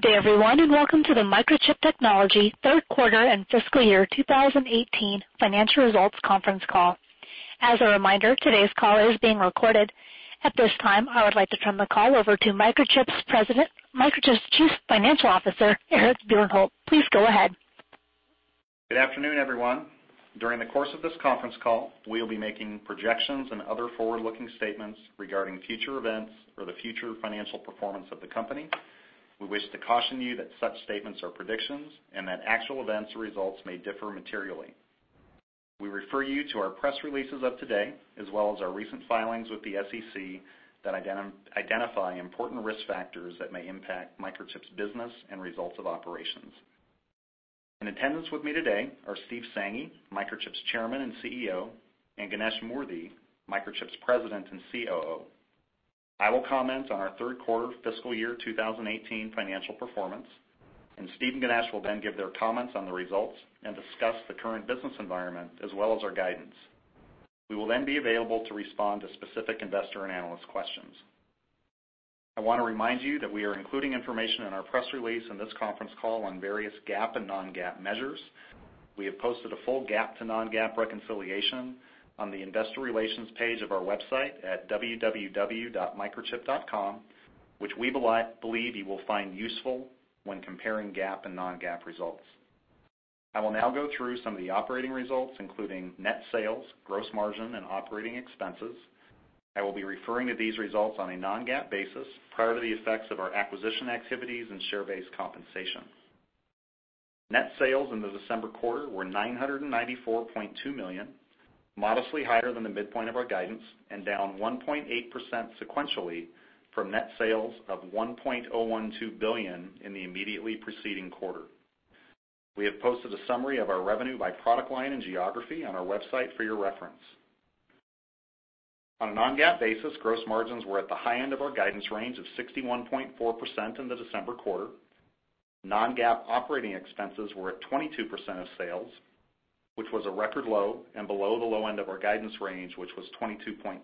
Good day, everyone. Welcome to the Microchip Technology third quarter and fiscal year 2018 financial results conference call. As a reminder, today's call is being recorded. At this time, I would like to turn the call over to Microchip's Chief Financial Officer, Eric Bjornholt. Please go ahead. Good afternoon, everyone. During the course of this conference call, we'll be making projections and other forward-looking statements regarding future events or the future financial performance of the company. We wish to caution you that such statements are predictions and that actual events or results may differ materially. We refer you to our press releases of today, as well as our recent filings with the SEC that identify important risk factors that may impact Microchip's business and results of operations. In attendance with me today are Steve Sanghi, Microchip's Chairman and CEO, and Ganesh Moorthy, Microchip's President and COO. I will comment on our third quarter fiscal year 2018 financial performance. Steve and Ganesh will give their comments on the results and discuss the current business environment, as well as our guidance. We will be available to respond to specific investor and analyst questions. I want to remind you that we are including information in our press release in this conference call on various GAAP and non-GAAP measures. We have posted a full GAAP to non-GAAP reconciliation on the investor relations page of our website at www.microchip.com, which we believe you will find useful when comparing GAAP and non-GAAP results. I will now go through some of the operating results, including net sales, gross margin, and operating expenses. I will be referring to these results on a non-GAAP basis prior to the effects of our acquisition activities and share-based compensation. Net sales in the December quarter were $994.2 million, modestly higher than the midpoint of our guidance and down 1.8% sequentially from net sales of $1.012 billion in the immediately preceding quarter. We have posted a summary of our revenue by product line and geography on our website for your reference. On a non-GAAP basis, gross margins were at the high end of our guidance range of 61.4% in the December quarter. Non-GAAP operating expenses were at 22% of sales, which was a record low and below the low end of our guidance range, which was 22.2%.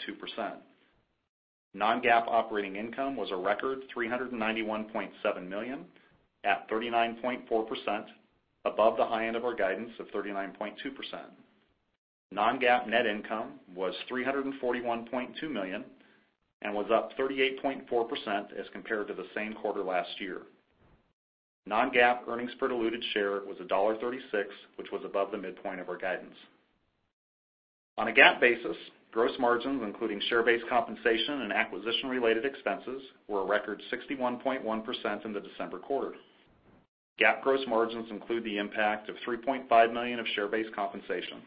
Non-GAAP operating income was a record $391.7 million at 39.4%, above the high end of our guidance of 39.2%. Non-GAAP net income was $341.2 million and was up 38.4% as compared to the same quarter last year. Non-GAAP earnings per diluted share was $1.36, which was above the midpoint of our guidance. On a GAAP basis, gross margins, including share-based compensation and acquisition-related expenses, were a record 61.1% in the December quarter. GAAP gross margins include the impact of $3.5 million of share-based compensation.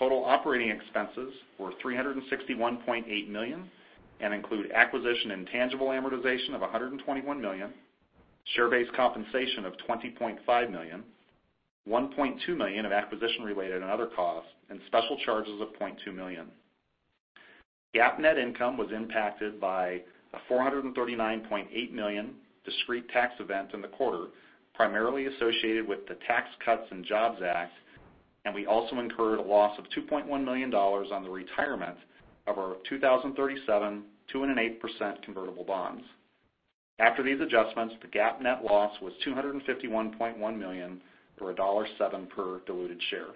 Total operating expenses were $361.8 million and include acquisition and tangible amortization of $121 million, share-based compensation of $20.5 million, $1.2 million of acquisition-related and other costs, and special charges of $0.2 million. GAAP net income was impacted by a $439.8 million discrete tax event in the quarter, primarily associated with the Tax Cuts and Jobs Act, and we also incurred a loss of $2.1 million on the retirement of our 2037 2.8% convertible bonds. After these adjustments, the GAAP net loss was $251.1 million, or $1.7 per diluted share.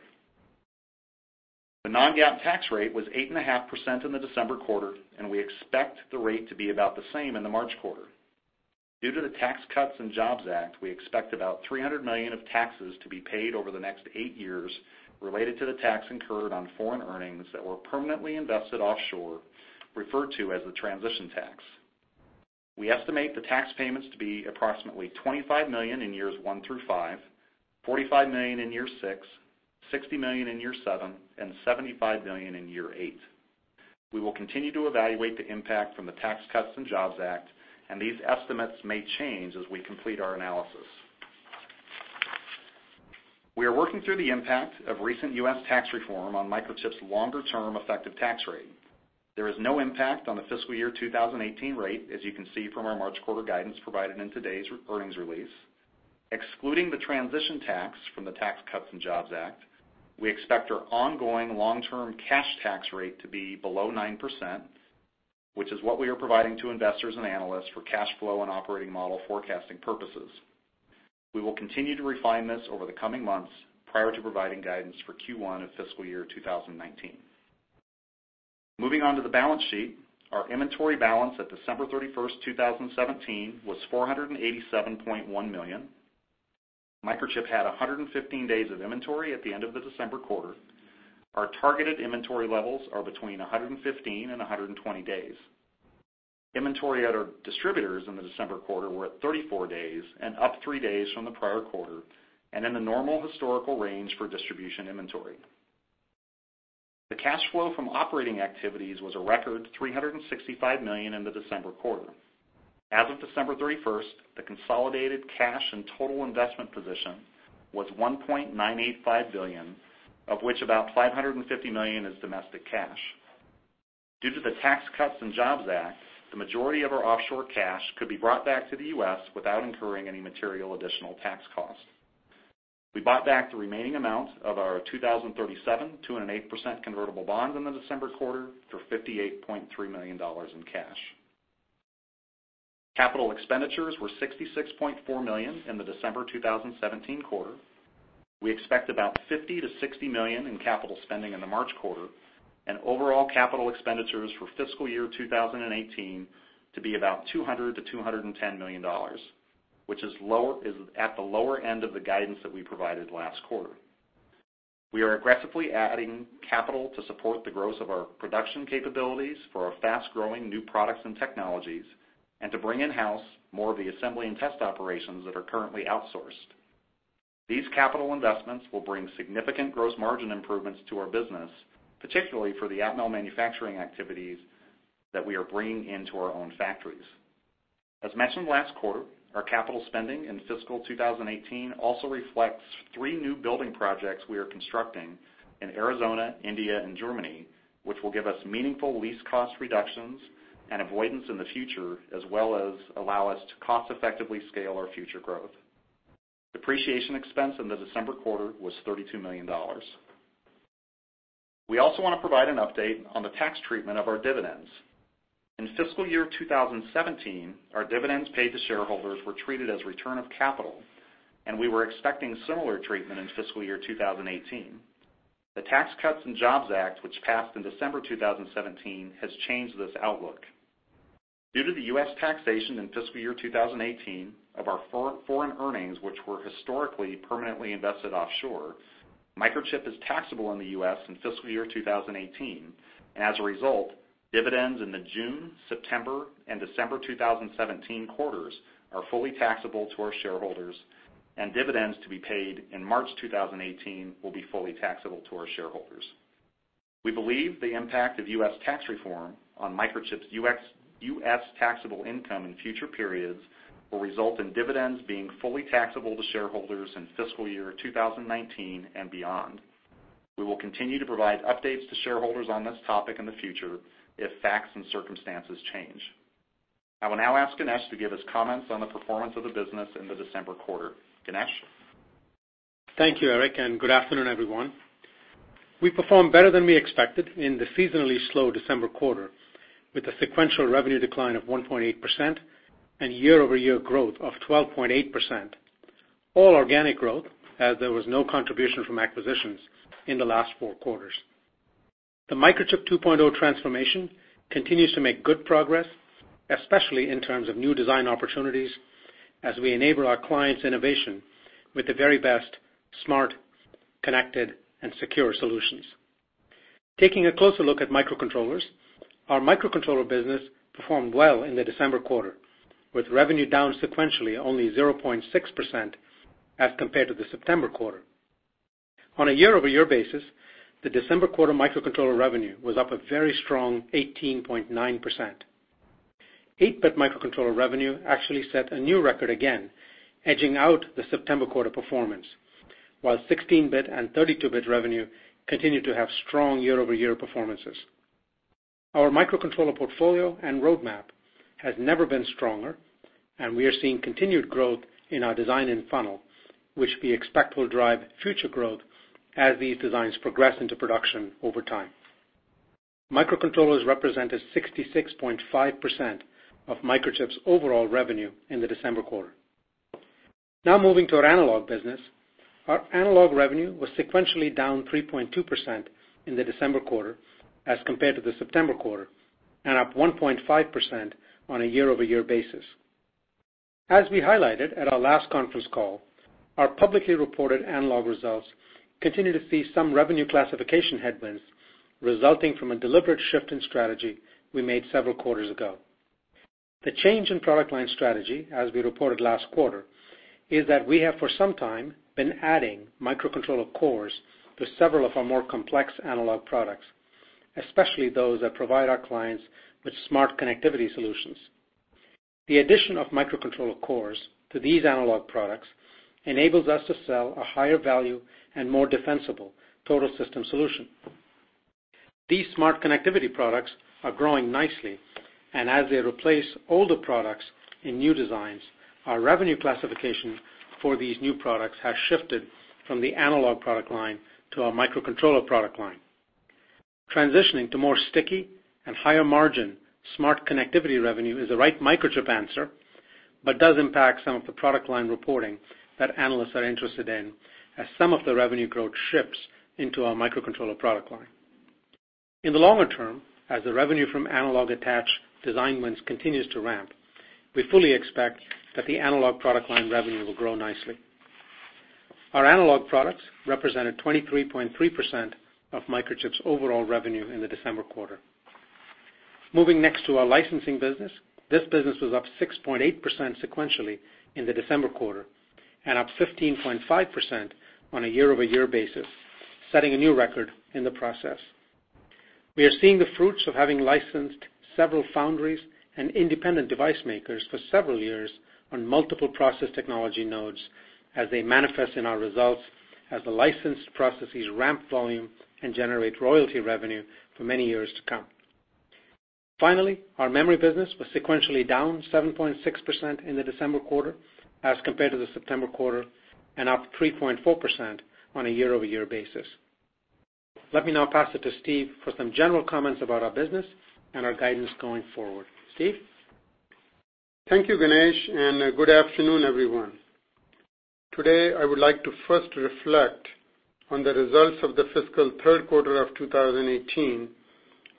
The non-GAAP tax rate was 8.5% in the December quarter, and we expect the rate to be about the same in the March quarter. Due to the Tax Cuts and Jobs Act, we expect about $300 million of taxes to be paid over the next 8 years related to the tax incurred on foreign earnings that were permanently invested offshore, referred to as the transition tax. We estimate the tax payments to be approximately $25 million in years 1 through 5, $45 million in year six, $60 million in year seven, and $75 million in year eight. We will continue to evaluate the impact from the Tax Cuts and Jobs Act, and these estimates may change as we complete our analysis. We are working through the impact of recent U.S. tax reform on Microchip's longer-term effective tax rate. There is no impact on the fiscal year 2018 rate, as you can see from our March quarter guidance provided in today's earnings release. Excluding the transition tax from the Tax Cuts and Jobs Act, we expect our ongoing long-term cash tax rate to be below 9%, which is what we are providing to investors and analysts for cash flow and operating model forecasting purposes. We will continue to refine this over the coming months prior to providing guidance for Q1 of fiscal year 2019. Moving on to the balance sheet. Our inventory balance at December 31st, 2017, was $487.1 million. Microchip had 115 days of inventory at the end of the December quarter. Our targeted inventory levels are between 115 and 120 days. Inventory at our distributors in the December quarter were at 34 days and up three days from the prior quarter, and in the normal historical range for distribution inventory. The cash flow from operating activities was a record $365 million in the December quarter. As of December 31st, the consolidated cash and total investment position was $1.985 billion, of which about $550 million is domestic cash. Due to the Tax Cuts and Jobs Act, the majority of our offshore cash could be brought back to the U.S. without incurring any material additional tax cost. We bought back the remaining amount of our 2037 2.8% convertible bonds in the December quarter for $58.3 million in cash. Capital expenditures were $66.4 million in the December 2017 quarter. We expect about $50 million-$60 million in capital spending in the March quarter, and overall capital expenditures for fiscal year 2018 to be about $200 million-$210 million, which is at the lower end of the guidance that we provided last quarter. We are aggressively adding capital to support the growth of our production capabilities for our fast-growing new products and technologies, to bring in-house more of the assembly and test operations that are currently outsourced. These capital investments will bring significant gross margin improvements to our business, particularly for the Atmel manufacturing activities that we are bringing into our own factories. As mentioned last quarter, our capital spending in fiscal 2018 also reflects three new building projects we are constructing in Arizona, India, and Germany, which will give us meaningful lease cost reductions and avoidance in the future, as well as allow us to cost effectively scale our future growth. Depreciation expense in the December quarter was $32 million. We also want to provide an update on the tax treatment of our dividends. In fiscal year 2017, our dividends paid to shareholders were treated as return of capital, we were expecting similar treatment in fiscal year 2018. The Tax Cuts and Jobs Act, which passed in December 2017, has changed this outlook. Due to the U.S. taxation in fiscal year 2018 of our foreign earnings, which were historically permanently invested offshore, Microchip is taxable in the U.S. in fiscal year 2018, as a result, dividends in the June, September, and December 2017 quarters are fully taxable to our shareholders, dividends to be paid in March 2018 will be fully taxable to our shareholders. We believe the impact of U.S. tax reform on Microchip's U.S. taxable income in future periods will result in dividends being fully taxable to shareholders in fiscal year 2019 and beyond. We will continue to provide updates to shareholders on this topic in the future if facts and circumstances change. I will now ask Ganesh to give his comments on the performance of the business in the December quarter. Ganesh? Thank you, Eric, good afternoon, everyone. We performed better than we expected in the seasonally slow December quarter, with a sequential revenue decline of 1.8% and year-over-year growth of 12.8%, all organic growth, as there was no contribution from acquisitions in the last four quarters. The Microchip 2.0 transformation continues to make good progress, especially in terms of new design opportunities as we enable our clients' innovation with the very best smart, connected, and secure solutions. Taking a closer look at microcontrollers, our microcontroller business performed well in the December quarter, with revenue down sequentially only 0.6% as compared to the September quarter. On a year-over-year basis, the December quarter microcontroller revenue was up a very strong 18.9%. Eight-bit microcontroller revenue actually set a new record again, edging out the September quarter performance, while 16-bit and 32-bit revenue continued to have strong year-over-year performances. Our microcontroller portfolio and roadmap has never been stronger, and we are seeing continued growth in our design-in funnel, which we expect will drive future growth as these designs progress into production over time. Microcontrollers represented 66.5% of Microchip's overall revenue in the December quarter. Now moving to our analog business. Our analog revenue was sequentially down 3.2% in the December quarter as compared to the September quarter, and up 1.5% on a year-over-year basis. As we highlighted at our last conference call, our publicly reported analog results continue to see some revenue classification headwinds resulting from a deliberate shift in strategy we made several quarters ago. The change in product line strategy, as we reported last quarter, is that we have, for some time, been adding microcontroller cores to several of our more complex analog products, especially those that provide our clients with smart connectivity solutions. The addition of microcontroller cores to these analog products enables us to sell a higher value and more defensible total system solution. These smart connectivity products are growing nicely, and as they replace older products in new designs, our revenue classification for these new products has shifted from the analog product line to our microcontroller product line. Transitioning to more sticky and higher margin smart connectivity revenue is the right Microchip answer, but does impact some of the product line reporting that analysts are interested in as some of the revenue growth shifts into our microcontroller product line. In the longer term, as the revenue from analog attached design wins continues to ramp, we fully expect that the analog product line revenue will grow nicely. Our analog products represented 23.3% of Microchip's overall revenue in the December quarter. Moving next to our licensing business. This business was up 6.8% sequentially in the December quarter, and up 15.5% on a year-over-year basis, setting a new record in the process. We are seeing the fruits of having licensed several foundries and independent device makers for several years on multiple process technology nodes as they manifest in our results as the licensed processes ramp volume and generate royalty revenue for many years to come. Finally, our memory business was sequentially down 7.6% in the December quarter as compared to the September quarter, and up 3.4% on a year-over-year basis. Let me now pass it to Steve for some general comments about our business and our guidance going forward. Steve? Thank you, Ganesh, and good afternoon, everyone. Today, I would like to first reflect on the results of the fiscal third quarter of 2018.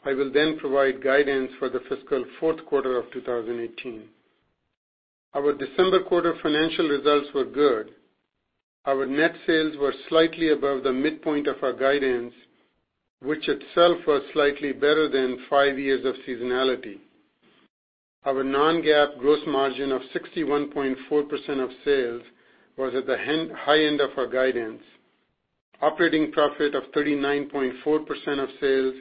I will provide guidance for the fiscal fourth quarter of 2018. Our December quarter financial results were good. Our net sales were slightly above the midpoint of our guidance, which itself was slightly better than five years of seasonality. Our non-GAAP gross margin of 61.4% of sales was at the high end of our guidance. Operating profit of 39.4% of sales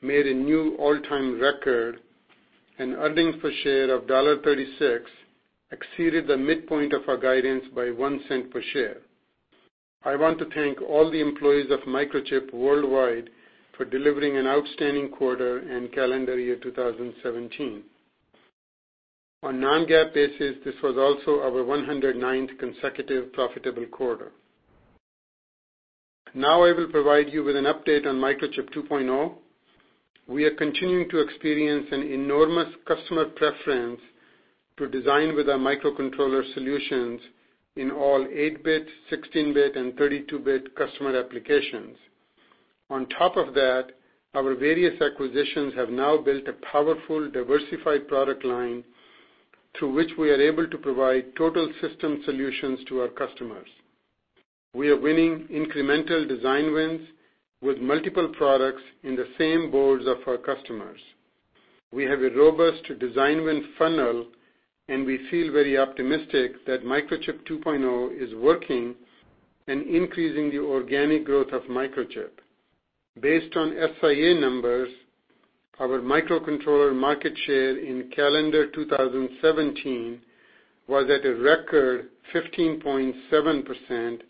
made a new all-time record, and earnings per share of $1.36 exceeded the midpoint of our guidance by $0.01 per share. I want to thank all the employees of Microchip worldwide for delivering an outstanding quarter in calendar year 2017. On non-GAAP basis, this was also our 109th consecutive profitable quarter. Now I will provide you with an update on Microchip 2.0. We are continuing to experience an enormous customer preference to design with our microcontroller solutions in all 8-bit, 16-bit, and 32-bit customer applications. On top of that, our various acquisitions have now built a powerful, diversified product line through which we are able to provide total system solutions to our customers. We are winning incremental design wins with multiple products in the same boards of our customers. We have a robust design win funnel, and we feel very optimistic that Microchip 2.0 is working and increasing the organic growth of Microchip. Based on SIA numbers, our microcontroller market share in calendar 2017 was at a record 15.7%,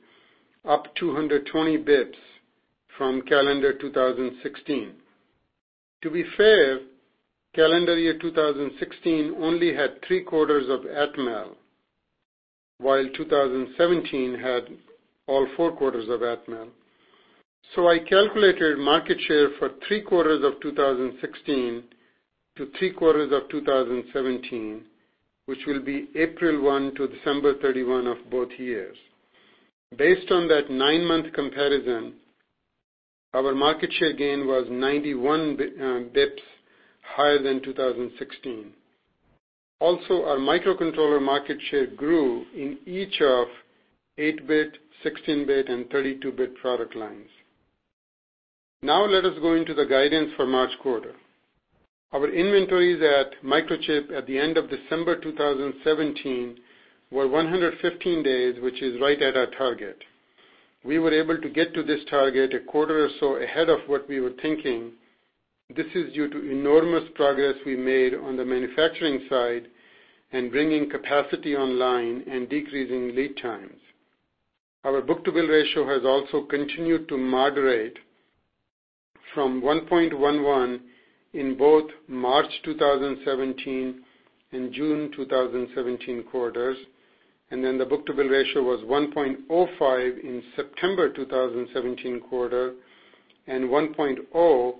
up 220 basis points from calendar 2016. To be fair, calendar year 2016 only had three quarters of Atmel, while 2017 had all four quarters of Atmel. I calculated market share for three quarters of 2016 to three quarters of 2017, which will be April 1 to December 31 of both years. Based on that nine-month comparison, our market share gain was 91 basis points higher than 2016. Also, our microcontroller market share grew in each of 8-bit, 16-bit, and 32-bit product lines. Let us go into the guidance for March quarter. Our inventories at Microchip at the end of December 2017 were 115 days, which is right at our target. We were able to get to this target a quarter or so ahead of what we were thinking. This is due to enormous progress we made on the manufacturing side and bringing capacity online and decreasing lead times. Our book-to-bill ratio has also continued to moderate from 1.11 in both March 2017 and June 2017 quarters. The book-to-bill ratio was 1.05 in September 2017 quarter, 1.0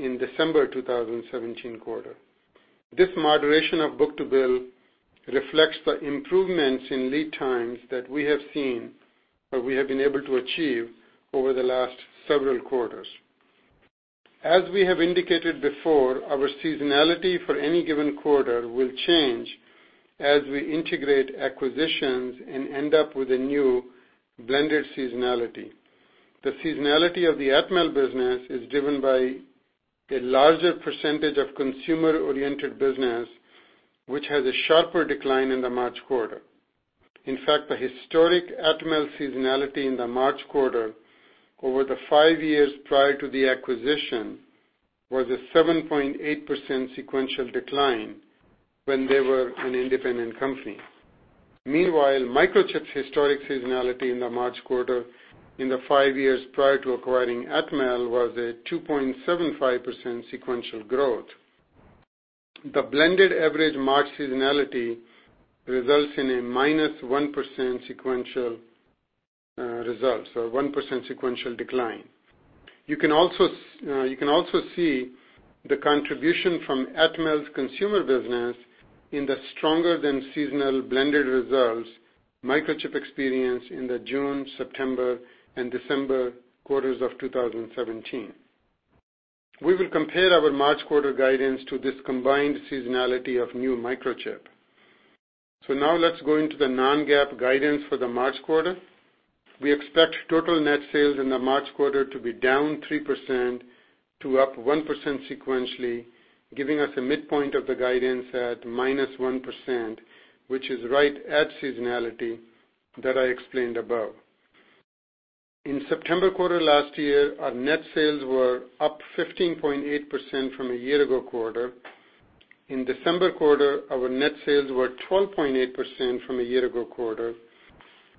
in December 2017 quarter. This moderation of book-to-bill reflects the improvements in lead times that we have seen, or we have been able to achieve over the last several quarters. We have indicated before, our seasonality for any given quarter will change as we integrate acquisitions and end up with a new blended seasonality. The seasonality of the Atmel business is driven by a larger percentage of consumer-oriented business, which has a sharper decline in the March quarter. In fact, the historic Atmel seasonality in the March quarter over the five years prior to the acquisition was a 7.8% sequential decline when they were an independent company. Microchip's historic seasonality in the March quarter in the five years prior to acquiring Atmel was a 2.75% sequential growth. The blended average March seasonality results in a minus 1% sequential result, so 1% sequential decline. You can also see the contribution from Atmel's consumer business in the stronger-than-seasonal blended results Microchip experienced in the June, September, and December quarters of 2017. We will compare our March quarter guidance to this combined seasonality of new Microchip. Let's go into the non-GAAP guidance for the March quarter. We expect total net sales in the March quarter to be down 3% to up 1% sequentially, giving us a midpoint of the guidance at minus 1%, which is right at seasonality that I explained above. In September quarter last year, our net sales were up 15.8% from a year-ago quarter. In December quarter, our net sales were 12.8% from a year-ago quarter.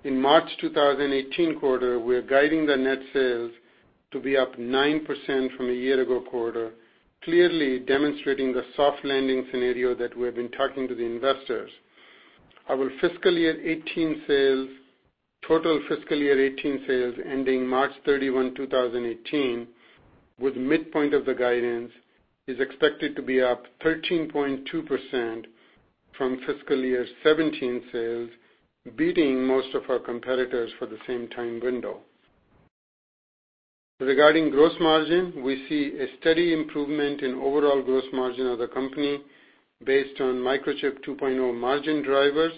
In March 2018 quarter, we are guiding the net sales to be up 9% from a year-ago quarter, clearly demonstrating the soft landing scenario that we have been talking to the investors. Our total fiscal year 2018 sales ending March 31, 2018, with midpoint of the guidance, is expected to be up 13.2% from fiscal year 2017 sales, beating most of our competitors for the same time window. Regarding gross margin, we see a steady improvement in overall gross margin of the company based on Microchip 2.0 margin drivers.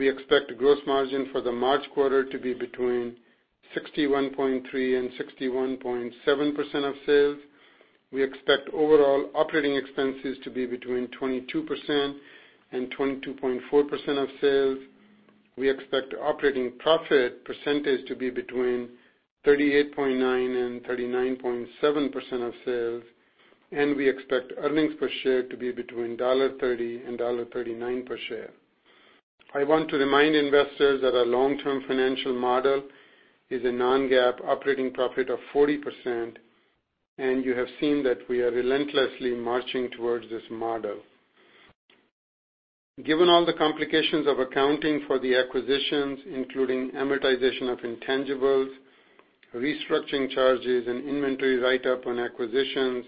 We expect gross margin for the March quarter to be between 61.3% and 61.7% of sales. We expect overall operating expenses to be between 22% and 22.4% of sales. We expect operating profit percentage to be between 38.9% and 39.7% of sales. We expect earnings per share to be between $1.30 and $1.39 per share. I want to remind investors that our long-term financial model is a non-GAAP operating profit of 40%. You have seen that we are relentlessly marching towards this model. Given all the complications of accounting for the acquisitions, including amortization of intangibles, restructuring charges, and inventory write-up on acquisitions,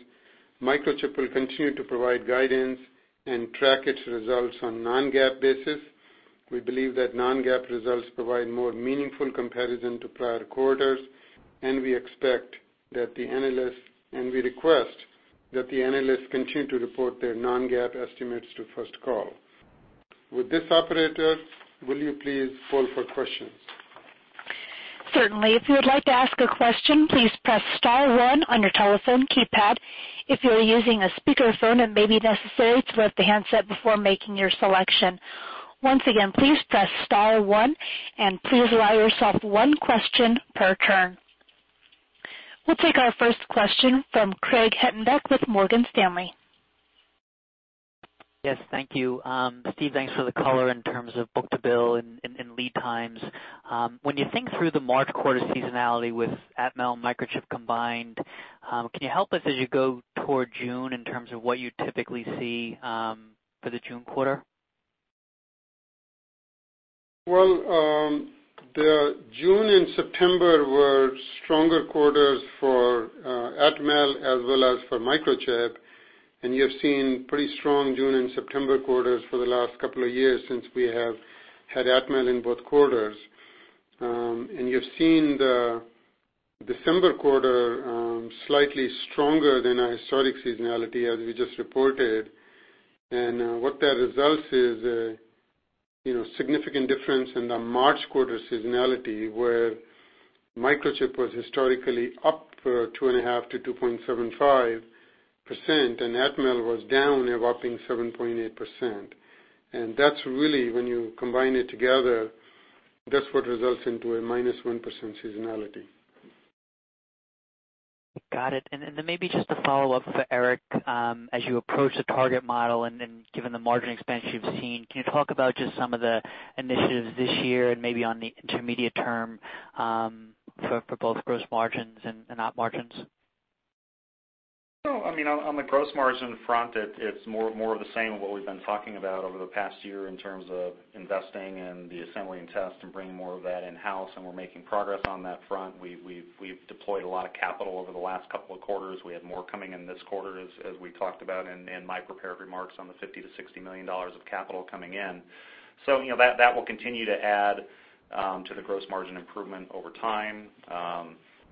Microchip will continue to provide guidance and track its results on non-GAAP basis. We believe that non-GAAP results provide more meaningful comparison to prior quarters. We request that the analysts continue to report their non-GAAP estimates to First Call. With this, operator, will you please poll for questions? Certainly. If you would like to ask a question, please press star one on your telephone keypad. If you're using a speakerphone, it may be necessary to mute the handset before making your selection. Once again, please press star one and please allow yourself one question per turn. We'll take our first question from Craig Hettenbach with Morgan Stanley. Yes, thank you. Steve, thanks for the color in terms of book-to-bill and lead times. When you think through the March quarter seasonality with Atmel and Microchip combined, can you help us as you go toward June in terms of what you typically see for the June quarter? Well, the June and September were stronger quarters for Atmel as well as for Microchip. You have seen pretty strong June and September quarters for the last couple of years since we have had Atmel in both quarters. You've seen the December quarter slightly stronger than our historic seasonality, as we just reported. What that results is a significant difference in the March quarter seasonality, where Microchip was historically up for 2.5%-2.75%, Atmel was down a whopping 7.8%. That's really, when you combine it together, that's what results into a minus 1% seasonality. Got it. Then maybe just a follow-up for Eric. As you approach the target model and given the margin expansion you've seen, can you talk about just some of the initiatives this year and maybe on the intermediate term for both gross margins and op margins? On the gross margin front, it's more of the same of what we've been talking about over the past year in terms of investing in the assembly and test and bringing more of that in-house. We're making progress on that front. We've deployed a lot of capital over the last couple of quarters. We have more coming in this quarter, as we talked about in my prepared remarks on the $50 million-$60 million of capital coming in. That will continue to add to the gross margin improvement over time.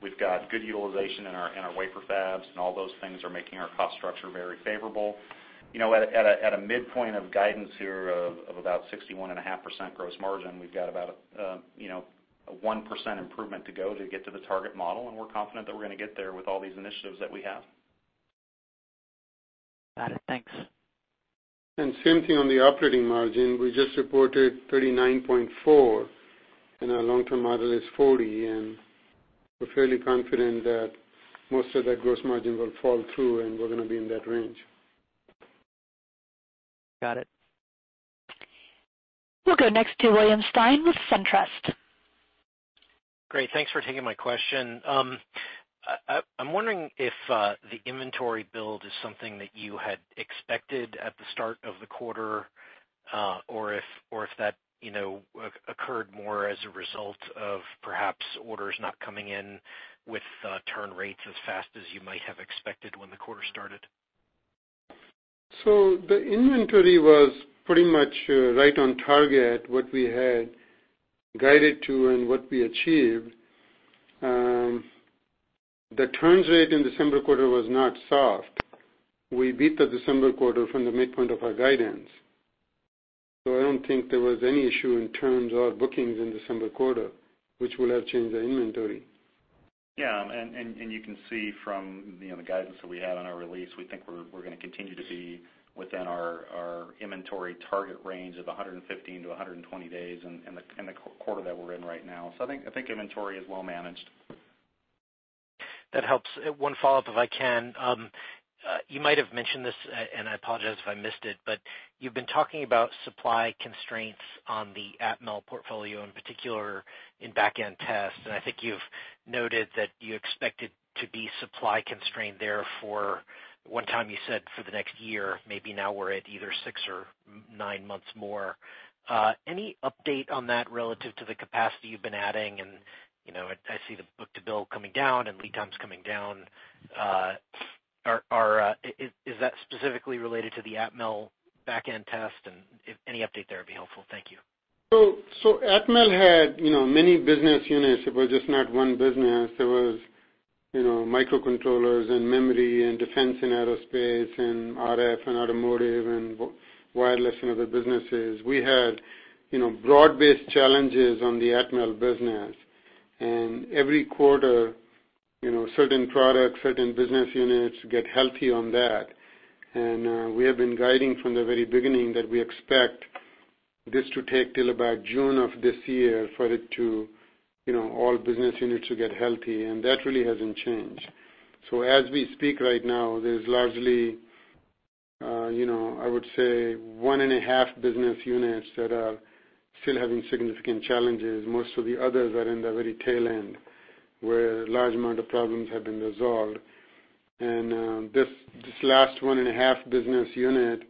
We've got good utilization in our wafer fabs, all those things are making our cost structure very favorable. At a midpoint of guidance here of about 61.5% gross margin, we've got about a 1% improvement to go to get to the target model. We're confident that we're going to get there with all these initiatives that we have. Got it. Thanks. Same thing on the operating margin. We just reported 39.4%. Our long-term model is 40%. We're fairly confident that most of that gross margin will fall through and we're going to be in that range. Got it. We'll go next to William Stein with SunTrust. Great, thanks for taking my question. I'm wondering if the inventory build is something that you had expected at the start of the quarter, or if that occurred more as a result of perhaps orders not coming in with turn rates as fast as you might have expected when the quarter started. The inventory was pretty much right on target, what we had guided to and what we achieved. The turns rate in December quarter was not soft. We beat the December quarter from the midpoint of our guidance. I don't think there was any issue in turns or bookings in December quarter, which will have changed the inventory. Yeah, you can see from the guidance that we had on our release, we think we're going to continue to be within our inventory target range of 115-120 days in the quarter that we're in right now. I think inventory is well managed. That helps. One follow-up, if I can. You might have mentioned this, I apologize if I missed it, you've been talking about supply constraints on the Atmel portfolio, in particular in backend tests, I think you've noted that you expected to be supply constrained there for, one time you said for the next year, maybe now we're at either six or nine months more. Any update on that relative to the capacity you've been adding? I see the book-to-bill coming down and lead times coming down. Is that specifically related to the Atmel backend test? Any update there would be helpful. Thank you. Atmel had many business units. It was just not one business. There was microcontrollers and memory and defense and aerospace and RF and automotive and wireless and other businesses. We had broad-based challenges on the Atmel business. Every quarter, certain products, certain business units get healthy on that. We have been guiding from the very beginning that we expect this to take till about June of this year for all business units to get healthy, and that really hasn't changed. As we speak right now, there's largely, I would say, one and a half business units that are still having significant challenges. Most of the others are in the very tail end, where a large amount of problems have been resolved. This last one and a half business unit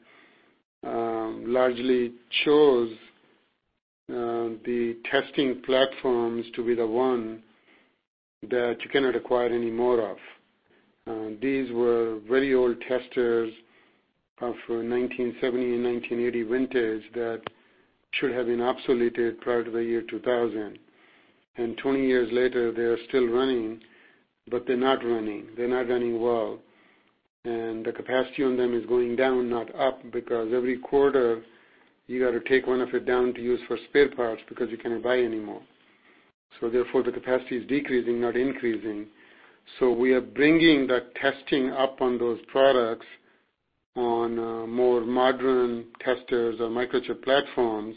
largely chose the testing platforms to be the one that you cannot acquire any more of. These were very old testers of 1970 and 1980 vintage that should have been obsoleted prior to the year 2000. 20 years later, they are still running, but they're not running. They're not running well. The capacity on them is going down, not up, because every quarter you got to take one of it down to use for spare parts because you cannot buy anymore. Therefore, the capacity is decreasing, not increasing. We are bringing that testing up on those products on more modern testers or Microchip platforms,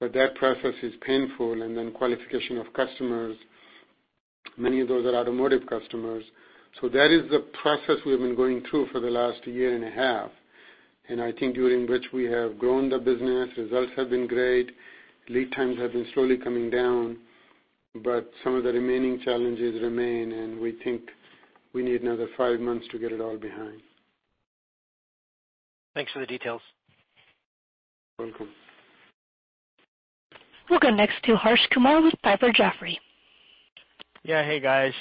but that process is painful and then qualification of customers, many of those are automotive customers. That is the process we've been going through for the last year and a half, and I think during which we have grown the business, results have been great, lead times have been slowly coming down, but some of the remaining challenges remain, and we think we need another five months to get it all behind. Thanks for the details. Welcome. We'll go next to Harsh Kumar with Piper Jaffray. Yeah. Hey, guys.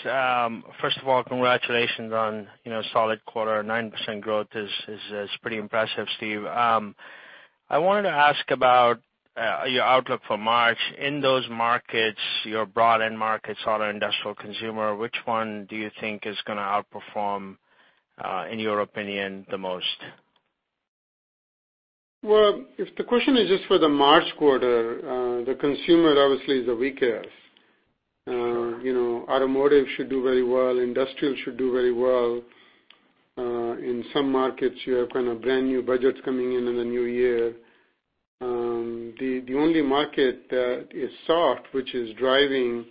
First of all, congratulations on a solid quarter. 9% growth is pretty impressive, Steve. I wanted to ask about your outlook for March. In those markets, your broad end markets, auto, industrial, consumer, which one do you think is going to outperform, in your opinion, the most? Well, if the question is just for the March quarter, the consumer obviously is the weakest. Automotive should do very well. Industrial should do very well. In some markets, you have kind of brand-new budgets coming in in the new year. The only market that is soft, which is driving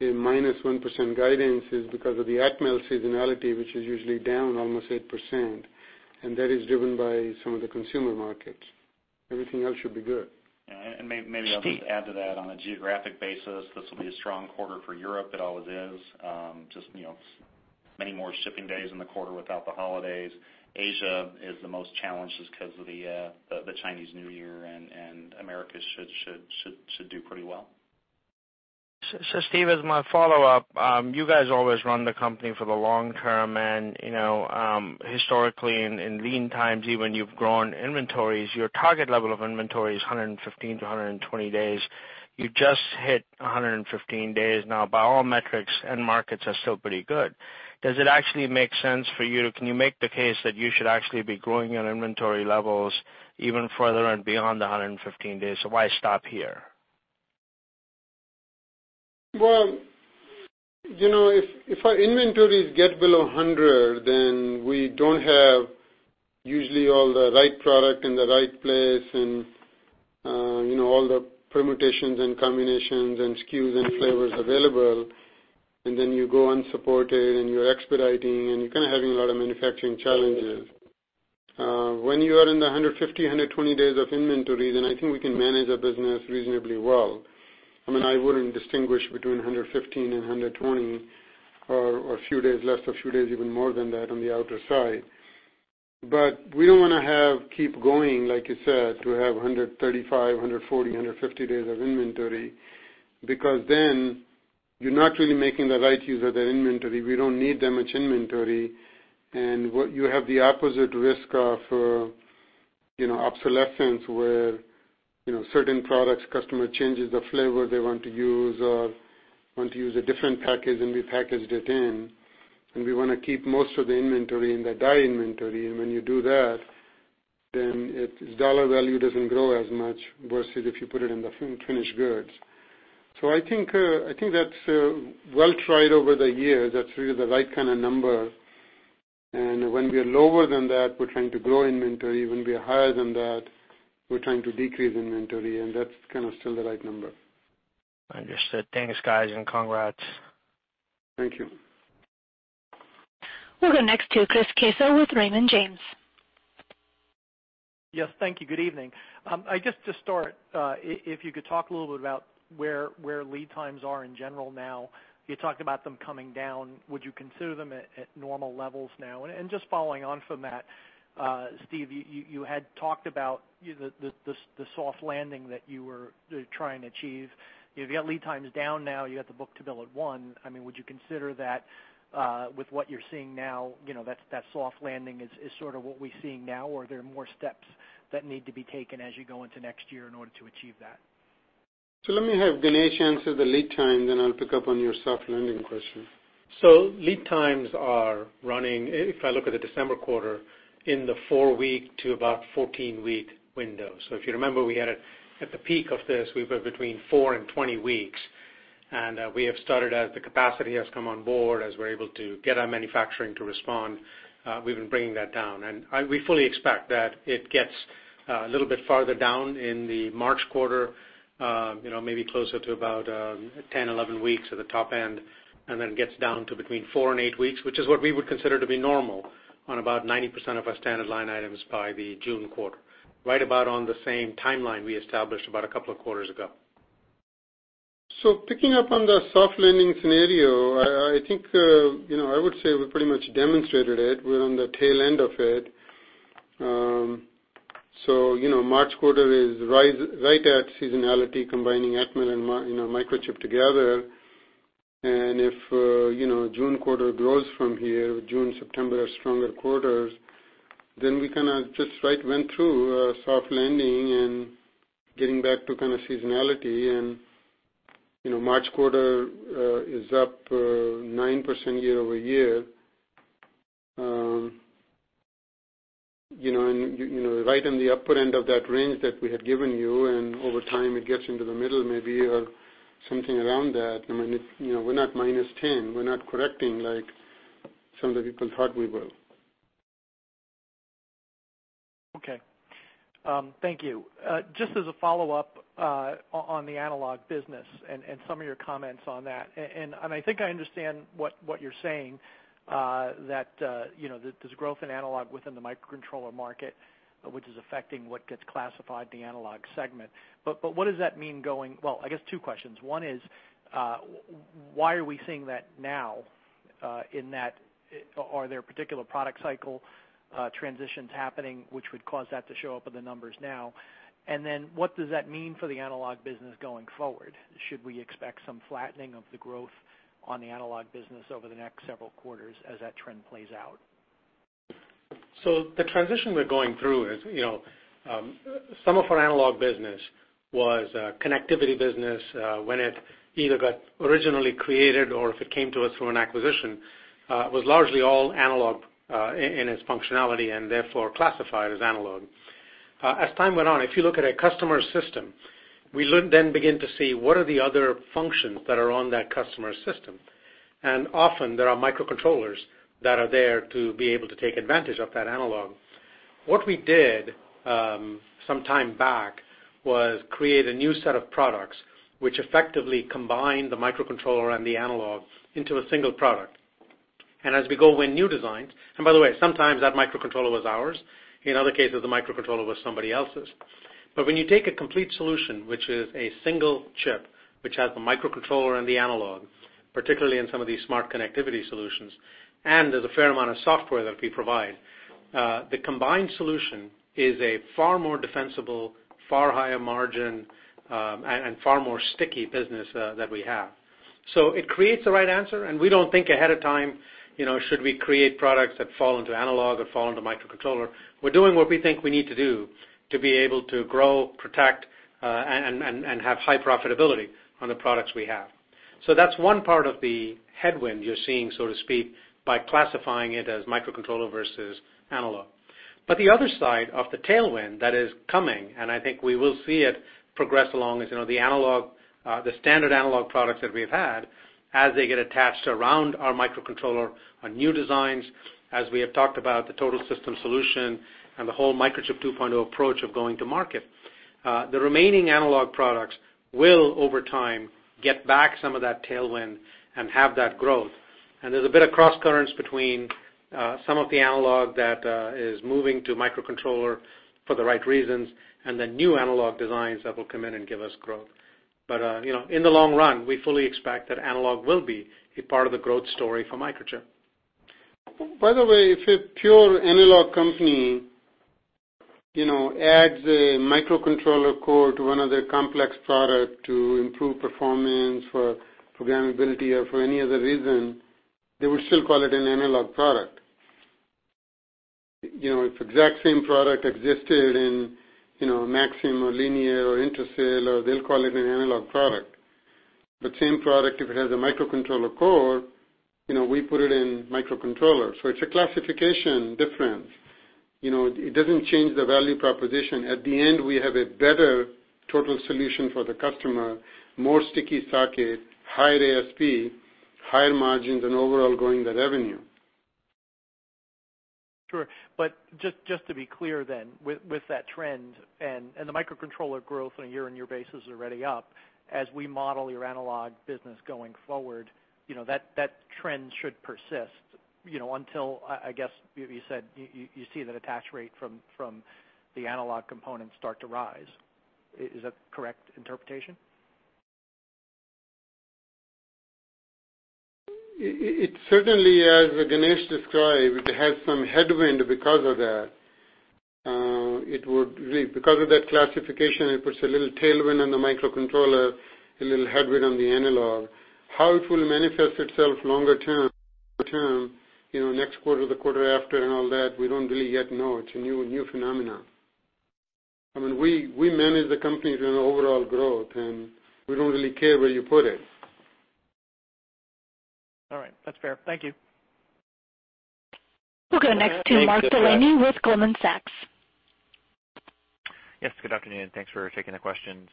a minus 1% guidance, is because of the Atmel seasonality, which is usually down almost 8%, and that is driven by some of the consumer markets. Everything else should be good. Yeah, and maybe I'll just add to that. On a geographic basis, this will be a strong quarter for Europe. It always is. Just many more shipping days in the quarter without the holidays. Asia is the most challenged just because of the Chinese New Year, and Americas should do pretty well. Steve, as my follow-up, you guys always run the company for the long term, and historically in lean times, even you've grown inventories. Your target level of inventory is 115-120 days. You just hit 115 days now. By all metrics, end markets are still pretty good. Does it actually make sense for you, can you make the case that you should actually be growing your inventory levels even further and beyond the 115 days? Why stop here? If our inventories get below 100, then we don't have usually all the right product in the right place and all the permutations and combinations and SKUs and flavors available, and then you go unsupported and you're expediting, and you're kind of having a lot of manufacturing challenges. When you are in the 150, 120 days of inventory, then I think we can manage the business reasonably well. I wouldn't distinguish between 115 and 120 or a few days less, a few days even more than that on the outer side. We don't want to keep going, like you said, to have 135, 140, 150 days of inventory because then you're not really making the right use of that inventory. We don't need that much inventory. You have the opposite risk of obsolescence where certain products, customer changes the flavor they want to use or want to use a different package than we packaged it in. We want to keep most of the inventory in the die inventory. When you do that, then its dollar value doesn't grow as much versus if you put it in the finished goods. I think that's well tried over the years. That's really the right kind of number. When we are lower than that, we're trying to grow inventory. When we are higher than that, we're trying to decrease inventory, and that's kind of still the right number. Understood. Thanks, guys, and congrats. Thank you. We'll go next to Chris Caso with Raymond James. Yes. Thank you. Good evening. Just to start, if you could talk a little bit about where lead times are in general now. You talked about them coming down. Would you consider them at normal levels now? Just following on from that, Steve, you had talked about the soft landing that you were trying to achieve. You've got lead times down now, you got the book-to-bill at one. Would you consider that, with what you're seeing now, that soft landing is sort of what we're seeing now, or are there more steps that need to be taken as you go into next year in order to achieve that? Let me have Ganesh answer the lead time, then I'll pick up on your soft landing question. Lead times are running, if I look at the December Quarter, in the 4-week to about 14-week window. If you remember, we had it at the peak of this, we were between 4 and 20 weeks. We have started, as the capacity has come on board, as we are able to get our manufacturing to respond, we have been bringing that down. We fully expect that it gets a little bit farther down in the March Quarter, maybe closer to about 10, 11 weeks at the top end, and then gets down to between 4 and 8 weeks, which is what we would consider to be normal on about 90% of our standard line items by the June Quarter. Right about on the same timeline we established about a couple of quarters ago. Picking up on the soft landing scenario, I think, I would say we pretty much demonstrated it. We are on the tail end of it. March Quarter is right at seasonality, combining Atmel and Microchip together. If June Quarter grows from here, June, September are stronger quarters, then we kind of just went through a soft landing and getting back to kind of seasonality and March Quarter is up 9% year-over-year. Right in the upper end of that range that we had given you, and over time, it gets into the middle maybe or something around that. We are not -10%. We are not correcting like some of the people thought we will. Okay. Thank you. Just as a follow-up on the analog business and some of your comments on that, and I think I understand what you are saying, that there is growth in analog within the microcontroller market, which is affecting what gets classified the analog segment. What does that mean? I guess two questions. One is, why are we seeing that now, in that are there particular product cycle transitions happening which would cause that to show up in the numbers now? And then what does that mean for the analog business going forward? Should we expect some flattening of the growth on the analog business over the next several quarters as that trend plays out? The transition we are going through is some of our analog business was a connectivity business, when it either got originally created or if it came to us from an acquisition, was largely all analog in its functionality, and therefore classified as analog. As time went on, if you look at a customer system, we then begin to see what are the other functions that are on that customer system. Often there are microcontrollers that are there to be able to take advantage of that analog. What we did, some time back, was create a new set of products which effectively combine the microcontroller and the analog into a single product. As we go win new designs, and by the way, sometimes that microcontroller was ours, in other cases, the microcontroller was somebody else's. When you take a complete solution, which is a single chip, which has the microcontroller and the analog, particularly in some of these smart connectivity solutions, and there's a fair amount of software that we provide. The combined solution is a far more defensible, far higher margin, and far more sticky business that we have. So it creates the right answer, and we don't think ahead of time, should we create products that fall into analog or fall into microcontroller. We're doing what we think we need to do to be able to grow, protect, and have high profitability on the products we have. So that's one part of the headwind you're seeing, so to speak, by classifying it as microcontroller versus analog. The other side of the tailwind that is coming, and I think we will see it progress along as the standard analog products that we've had, as they get attached around our microcontroller on new designs, as we have talked about the total system solution and the whole Microchip 2.0 approach of going to market. The remaining analog products will, over time, get back some of that tailwind and have that growth. And there's a bit of cross currents between some of the analog that is moving to microcontroller for the right reasons, and then new analog designs that will come in and give us growth. In the long run, we fully expect that analog will be a part of the growth story for Microchip. By the way, if a pure analog company adds a microcontroller core to one of their complex product to improve performance for programmability or for any other reason, they would still call it an analog product. If the exact same product existed in Maxim or Linear or Intersil, they'll call it an analog product. The same product, if it has a microcontroller core, we put it in microcontroller. It's a classification difference. It doesn't change the value proposition. At the end, we have a better total solution for the customer, more sticky socket, higher ASP, higher margins, and overall growing the revenue. Sure. Just to be clear then, with that trend and the microcontroller growth on a year-on-year basis already up, as we model your analog business going forward, that trend should persist until, I guess, you said you see that attach rate from the analog components start to rise. Is that a correct interpretation? It certainly, as Ganesh described, has some headwind because of that. Of that classification, it puts a little tailwind on the microcontroller, a little headwind on the analog. How it will manifest itself longer term, next quarter, the quarter after, and all that, we don't really yet know. It's a new phenomenon. We manage the company through an overall growth, we don't really care where you put it. All right. That's fair. Thank you. We'll go next to Mark Delaney with Goldman Sachs. Yes, good afternoon, thanks for taking the questions.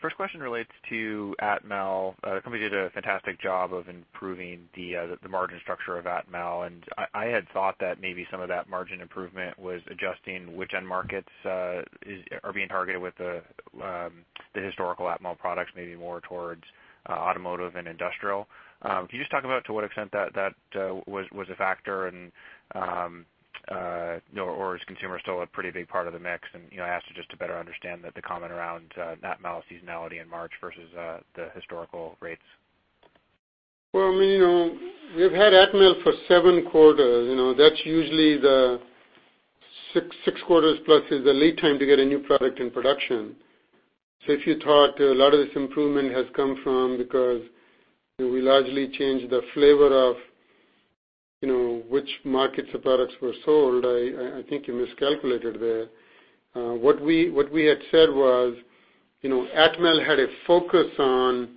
First question relates to Atmel. The company did a fantastic job of improving the margin structure of Atmel, I had thought that maybe some of that margin improvement was adjusting which end markets are being targeted with the historical Atmel products, maybe more towards automotive and industrial. Can you just talk about to what extent that was a factor, or is consumer still a pretty big part of the mix? I ask it just to better understand the comment around Atmel seasonality in March versus the historical rates. Well, we've had Atmel for seven quarters. Six quarters plus is the lead time to get a new product in production. If you thought a lot of this improvement has come from because we largely changed the flavor of which markets the products were sold, I think you miscalculated there. What we had said was Atmel had a focus on,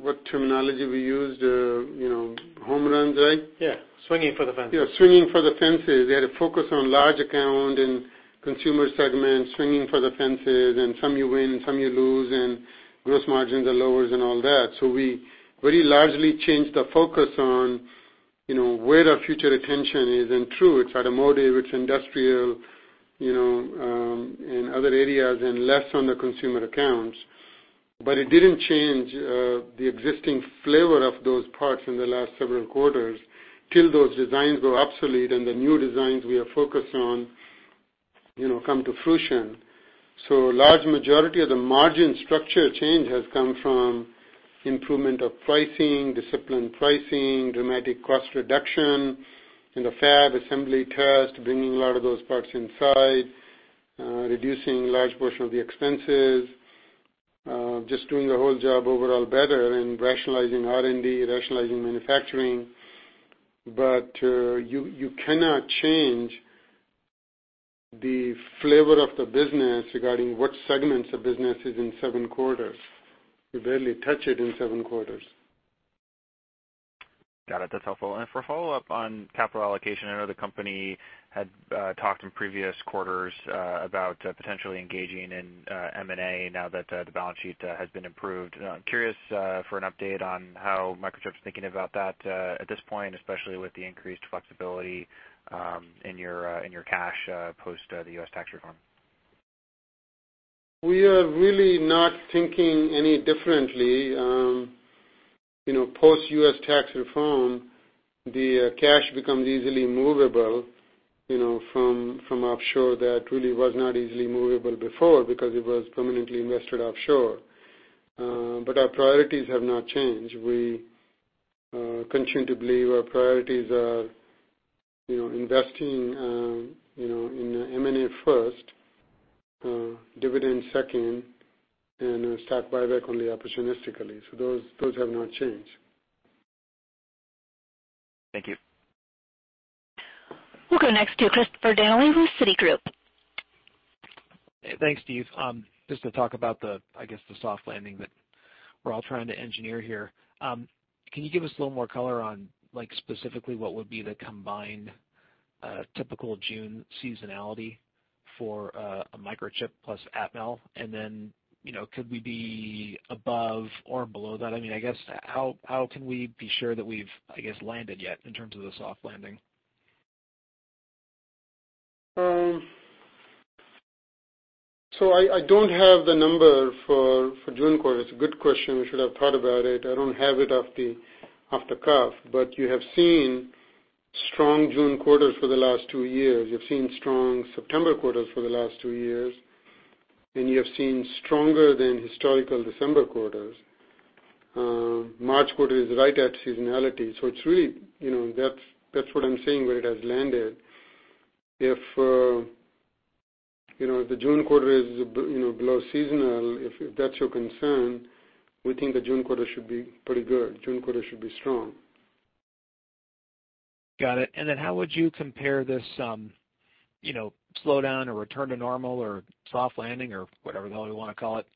what terminology we used, home runs, right? Yeah, swinging for the fences. Yeah, swinging for the fences. They had a focus on large account and consumer segment, swinging for the fences, and some you win, some you lose, and gross margins are lower and all that. We very largely changed the focus on where our future attention is. True, it's automotive, it's industrial, and other areas, and less on the consumer accounts. It didn't change the existing flavor of those parts in the last several quarters till those designs go obsolete and the new designs we are focused on come to fruition. A large majority of the margin structure change has come from improvement of pricing, disciplined pricing, dramatic cost reduction in the fab, assembly, test, bringing a lot of those parts inside, reducing large portion of the expenses, just doing the whole job overall better and rationalizing R&D, rationalizing manufacturing. You cannot change the flavor of the business regarding what segments of business is in seven quarters. You barely touch it in seven quarters. Got it. That's helpful. For a follow-up on capital allocation, I know the company had talked in previous quarters about potentially engaging in M&A now that the balance sheet has been improved. Curious for an update on how Microchip's thinking about that at this point, especially with the increased flexibility in your cash post the U.S. tax reform. We are really not thinking any differently. Post-U.S. tax reform, the cash becomes easily movable from offshore that really was not easily movable before because it was permanently invested offshore. Our priorities have not changed. We continue to believe our priorities are investing in M&A first, dividend second, and stock buyback only opportunistically. Those have not changed. Thank you. We'll go next to Christopher Danely with Citigroup. Thanks, Steve. Just to talk about the, I guess, the soft landing that we're all trying to engineer here. Can you give us a little more color on specifically what would be the combined typical June seasonality for a Microchip plus Atmel? Could we be above or below that? I guess, how can we be sure that we've, I guess, landed yet in terms of the soft landing? I don't have the number for June quarter. It's a good question. We should have thought about it. I don't have it off the cuff. You have seen strong June quarters for the last two years. You've seen strong September quarters for the last two years. You have seen stronger than historical December quarters. March quarter is right at seasonality. That's what I'm saying, where it has landed. If the June quarter is below seasonal, if that's your concern, we think the June quarter should be pretty good. June quarter should be strong. Got it. How would you compare this slowdown or return to normal or soft landing or whatever the hell we want to call it,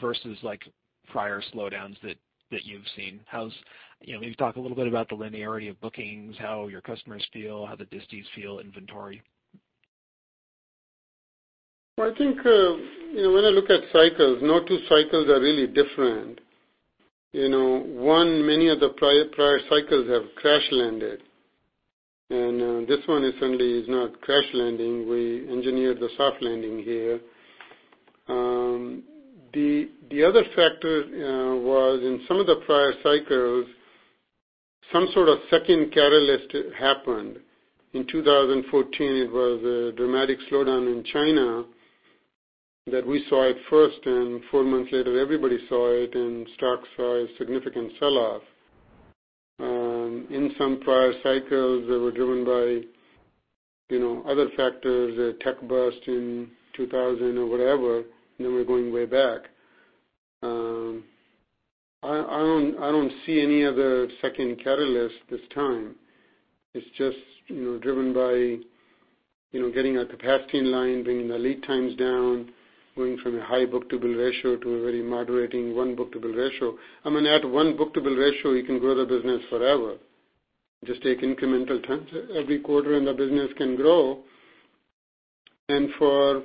versus prior slowdowns that you've seen. Maybe talk a little bit about the linearity of bookings, how your customers feel, how the distis feel, inventory. Well, I think when I look at cycles, no two cycles are really different. One, many of the prior cycles have crash landed. This one certainly is not crash landing. We engineered the soft landing here. The other factor was in some of the prior cycles, some sort of second catalyst happened. In 2014, it was a dramatic slowdown in China that we saw at first. Four months later everybody saw it and stocks saw a significant sell-off. In some prior cycles, they were driven by other factors, a tech bust in 2000 or whatever, now we're going way back. I don't see any other second catalyst this time. It's just driven by getting our capacity in line, bringing the lead times down, going from a high book-to-bill ratio to a very moderating one book-to-bill ratio. I'm going to add one book-to-bill ratio, you can grow the business forever. Just take incremental chunks every quarter and the business can grow. For,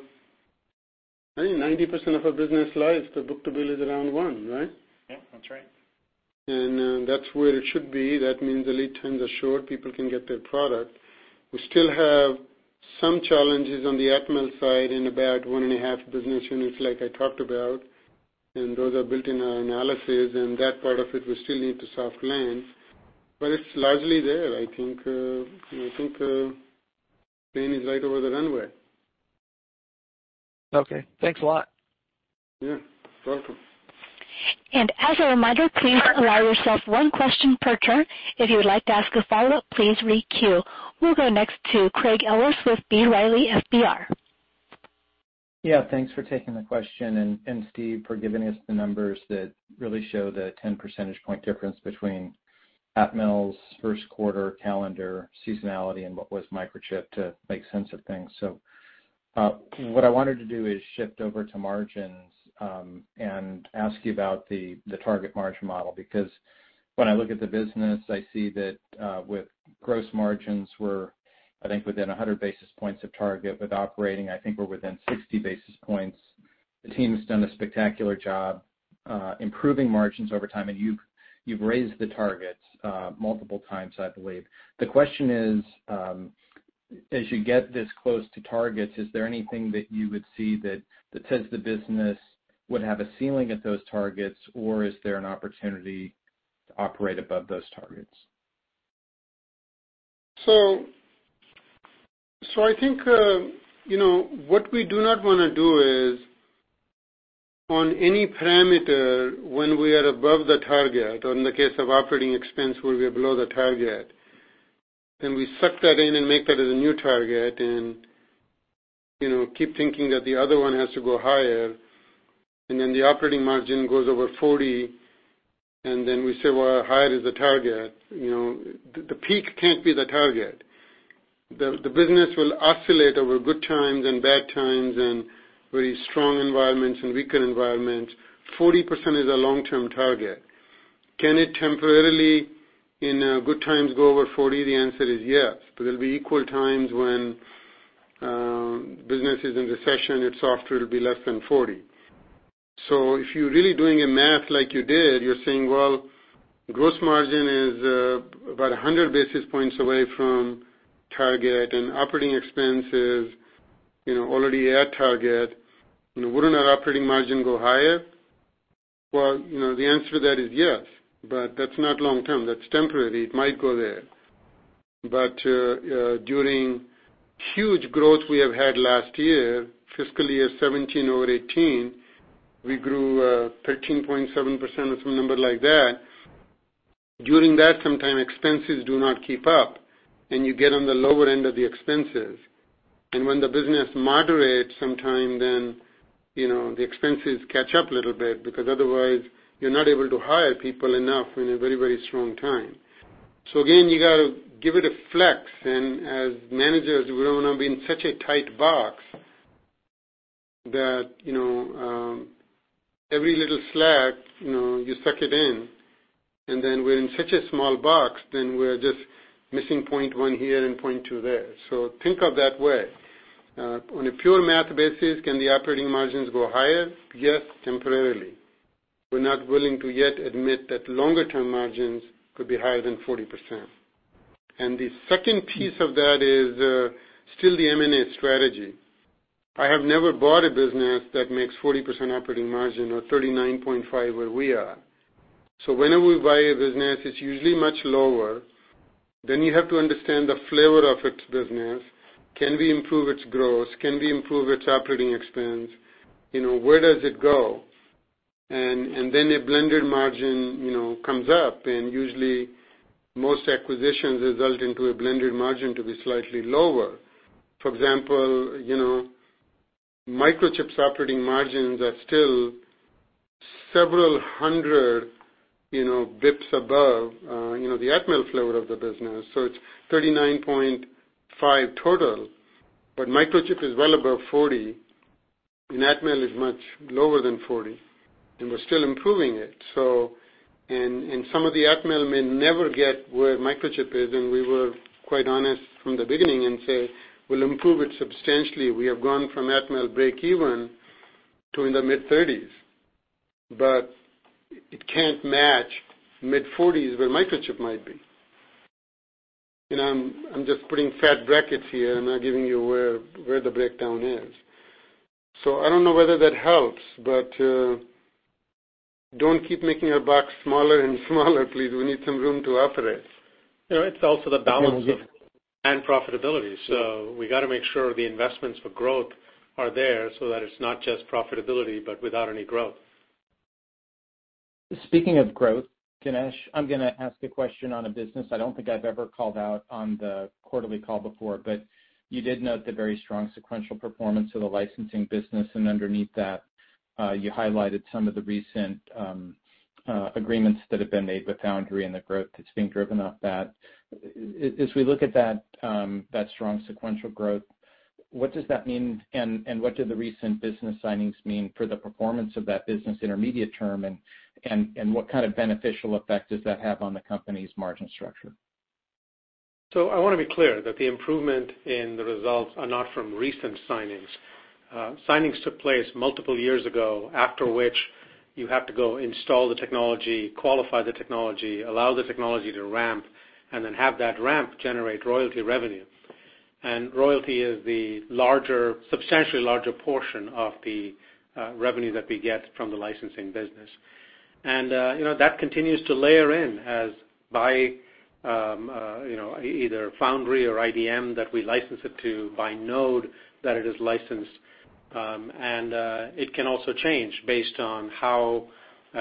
I think 90% of our business life, the book-to-bill is around one, right? Yep, that's right. That's where it should be. That means the lead times are short. People can get their product. We still have some challenges on the Atmel side in about one and a half business units like I talked about, and those are built in our analysis, and that part of it we still need to soft land. It's largely there. I think the plane is right over the runway. Okay. Thanks a lot. Yeah. Welcome. As a reminder, please allow yourself one question per turn. If you would like to ask a follow-up, please re-queue. We'll go next to Craig Ellis with B. Riley FBR. Yeah, thanks for taking the question, and Steve, for giving us the numbers that really show the 10 percentage point difference between Atmel's first quarter calendar seasonality and what was Microchip to make sense of things. What I wanted to do is shift over to margins, and ask you about the target margin model. Because when I look at the business, I see that with gross margins we're, I think within 100 basis points of target. With operating, I think we're within 60 basis points. The team has done a spectacular job improving margins over time, and you've raised the targets multiple times, I believe. The question is, as you get this close to targets, is there anything that you would see that says the business would have a ceiling at those targets, or is there an opportunity to operate above those targets? I think what we do not want to do is on any parameter when we are above the target, or in the case of operating expense, where we are below the target, then we suck that in and make that as a new target and keep thinking that the other one has to go higher. Then the operating margin goes over 40 and then we say, "Well, higher is the target." The peak can't be the target. The business will oscillate over good times and bad times and very strong environments and weaker environments. 40% is a long-term target. Can it temporarily in good times go over 40? The answer is yes, but there'll be equal times when business is in recession, it's softer, it'll be less than 40. If you're really doing your math like you did, you're saying, well, gross margin is about 100 basis points away from target and operating expense is already at target. Wouldn't our operating margin go higher? The answer to that is yes. That's not long term. That's temporary. It might go there. During huge growth we have had last year, fiscal year 2017 over 2018, we grew 13.7%, or some number like that. During that sometime expenses do not keep up, and you get on the lower end of the expenses. When the business moderates sometime, the expenses catch up a little bit, because otherwise you're not able to hire people enough in a very strong time. Again, you got to give it a flex, and as managers, we don't want to be in such a tight box that every little slack, you suck it in, and then we're in such a small box, then we're just missing point one here and point two there. Think of that way. On a pure math basis, can the operating margins go higher? Yes, temporarily. We're not willing to yet admit that longer term margins could be higher than 40%. The second piece of that is still the M&A strategy. I have never bought a business that makes 40% operating margin or 39.5 where we are. Whenever we buy a business, it's usually much lower. You have to understand the flavor of its business. Can we improve its gross? Can we improve its operating expense? Where does it go? A blended margin comes up and usually most acquisitions result into a blended margin to be slightly lower. For example, Microchip's operating margins are still several hundred bips above the Atmel flow of the business. It's 39.5 total, but Microchip is well above 40, and Atmel is much lower than 40, and we're still improving it. Some of the Atmel may never get where Microchip is, and we were quite honest from the beginning and say, "We'll improve it substantially." We have gone from Atmel breakeven to in the mid-30s. It can't match mid-40s where Microchip might be. I'm just putting fat brackets here. I'm not giving you where the breakdown is. I don't know whether that helps, but don't keep making our box smaller and smaller, please. We need some room to operate. It's also the balance of- Yeah profitability. We got to make sure the investments for growth are there so that it's not just profitability, but without any growth. Speaking of growth, Ganesh, I'm going to ask a question on a business I don't think I've ever called out on the quarterly call before, but you did note the very strong sequential performance of the licensing business, and underneath that, you highlighted some of the recent agreements that have been made with Foundry and the growth that's been driven off that. As we look at that strong sequential growth, what does that mean, and what do the recent business signings mean for the performance of that business intermediate term, and what kind of beneficial effect does that have on the company's margin structure? I want to be clear that the improvement in the results are not from recent signings. Signings took place multiple years ago, after which you have to go install the technology, qualify the technology, allow the technology to ramp, and then have that ramp generate royalty revenue. Royalty is the substantially larger portion of the revenue that we get from the licensing business. That continues to layer in as by either Foundry or IDM that we license it to by node that it is licensed. It can also change based on how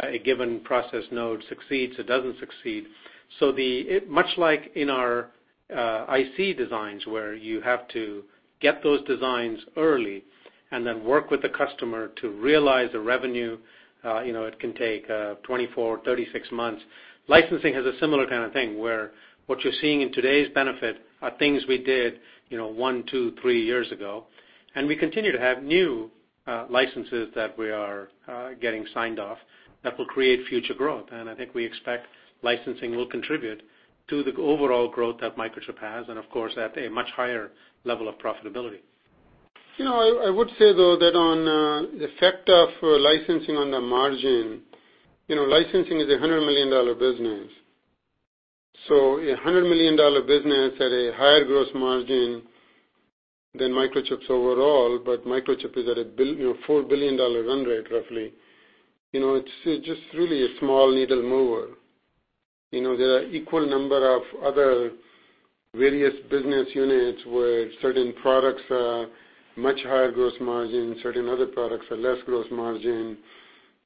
a given process node succeeds or doesn't succeed. Much like in our IC designs, where you have to get those designs early and then work with the customer to realize the revenue, it can take 24, 36 months. Licensing has a similar kind of thing, where what you're seeing in today's benefit are things we did one, two, three years ago. We continue to have new licenses that we are getting signed off that will create future growth. I think we expect licensing will contribute to the overall growth that Microchip has and of course, at a much higher level of profitability. I would say, though, that on the effect of licensing on the margin, licensing is a $100 million business. A $100 million business at a higher gross margin than Microchip's overall, but Microchip is at a $4 billion run rate, roughly. It's just really a small needle mover. There are equal number of other various business units where certain products are much higher gross margin, certain other products are less gross margin,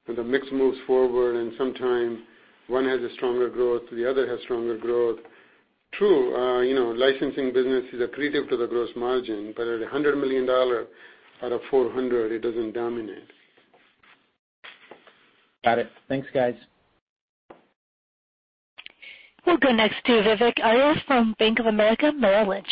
and the mix moves forward, and sometimes one has a stronger growth, the other has stronger growth. True, licensing business is accretive to the gross margin, but at $100 million out of $400, it doesn't dominate. Got it. Thanks, guys. We'll go next to Vivek Arya from Bank of America Merrill Lynch.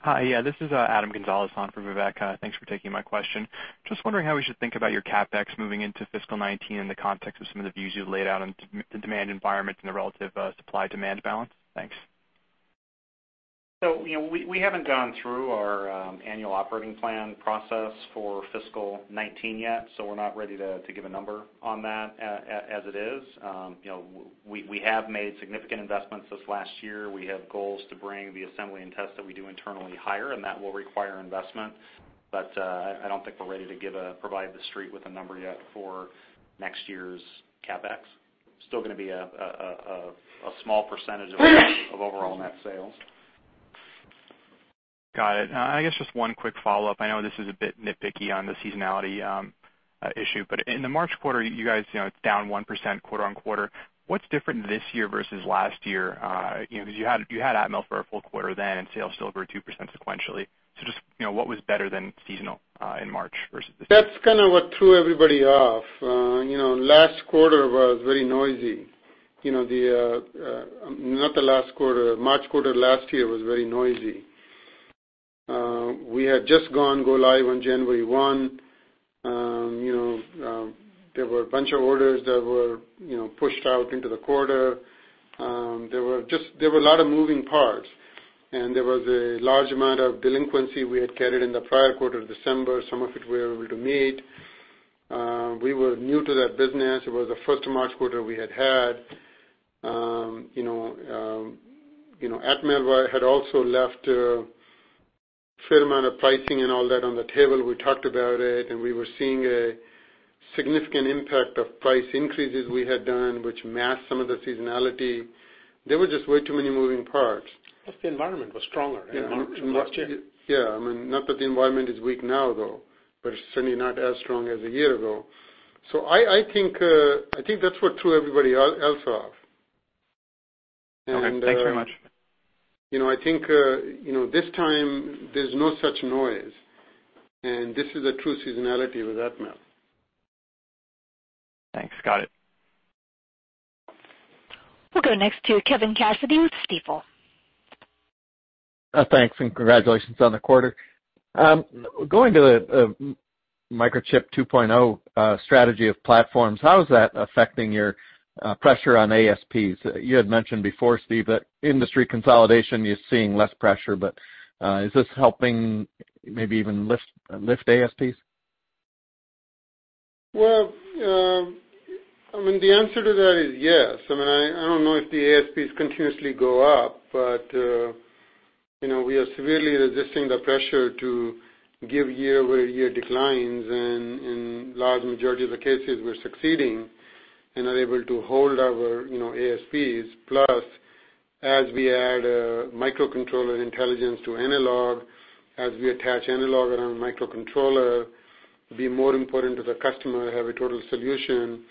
Hi. Yeah, this is Adam Gonzalez on for Vivek. Thanks for taking my question. Just wondering how we should think about your CapEx moving into fiscal 2019 in the context of some of the views you laid out on the demand environment and the relative supply-demand balance. Thanks. We haven't gone through our annual operating plan process for fiscal 2019 yet. We're not ready to give a number on that as it is. We have made significant investments this last year. We have goals to bring the assembly and tests that we do internally higher, and that will require investment. I don't think we're ready to provide the street with a number yet for next year's CapEx. Still going to be a small % of overall net sales. Got it. I guess just one quick follow-up. I know this is a bit nitpicky on the seasonality issue. In the March quarter, you guys, it's down 1% quarter-on-quarter. What's different this year versus last year? Because you had Atmel for a full quarter then, and sales still grew 2% sequentially. Just what was better than seasonal in March versus this year? That's kind of what threw everybody off. Last quarter was very noisy. Not the last quarter, March quarter last year was very noisy. We had just gone go live on January 1. There were a bunch of orders that were pushed out into the quarter. There were a lot of moving parts, and there was a large amount of delinquency we had carried in the prior quarter of December. Some of it we were able to meet. We were new to that business. It was the first March quarter we had had. Atmel had also left a fair amount of pricing and all that on the table. We talked about it. We were seeing a significant impact of price increases we had done, which masked some of the seasonality. There were just way too many moving parts. The environment was stronger in March last year. Yeah. I mean, not that the environment is weak now, though, but it's certainly not as strong as a year ago. I think that's what threw everybody else off. Okay, thanks very much. I think this time there's no such noise, and this is a true seasonality with Atmel. Thanks. Got it. We'll go next to Kevin Cassidy with Stifel. Thanks, congratulations on the quarter. Going to the Microchip 2.0 strategy of platforms, how is that affecting your pressure on ASPs? You had mentioned before, Steve, that industry consolidation, you're seeing less pressure, is this helping maybe even lift ASPs? Well, the answer to that is yes. I don't know if the ASPs continuously go up, we are severely resisting the pressure to give year-over-year declines, and in large majority of the cases, we're succeeding and are able to hold our ASPs. Plus, as we add microcontroller intelligence to analog, as we attach analog around microcontroller, it'd be more important to the customer to have a total solution.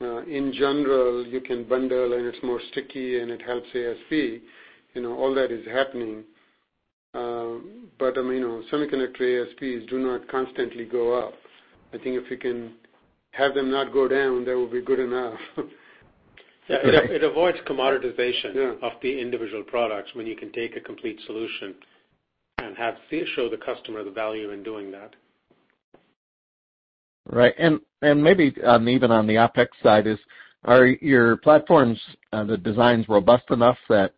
In general, you can bundle and it's more sticky, and it helps ASP. All that is happening. Semiconductor ASPs do not constantly go up. I think if we can have them not go down, that will be good enough. It avoids commoditization. Yeah of the individual products when you can take a complete solution and show the customer the value in doing that. Right. Maybe even on the OpEx side is, are your platforms, the designs, robust enough that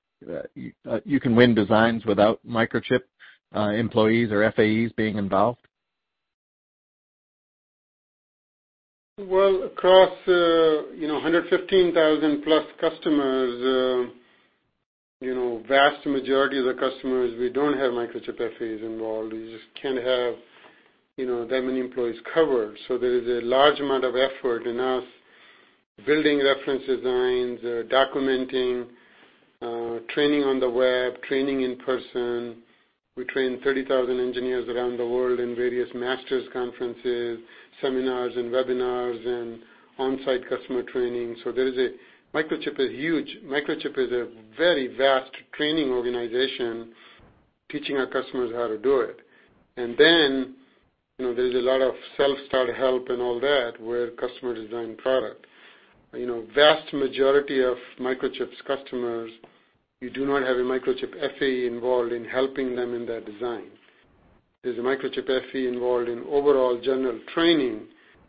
you can win designs without Microchip employees or FAEs being involved? Well, across 115,000-plus customers, vast majority of the customers, we don't have Microchip FAEs involved. We just can't have that many employees covered. There is a large amount of effort in us building reference designs, documenting, training on the web, training in person. We train 30,000 engineers around the world in various masters conferences, seminars, and webinars, and on-site customer training. Microchip is huge. Microchip is a very vast training organization teaching our customers how to do it. Then there's a lot of self-start help and all that where customer design product. Vast majority of Microchip's customers, you do not have a Microchip FAE involved in helping them in their design. There's a Microchip FAE involved in overall general training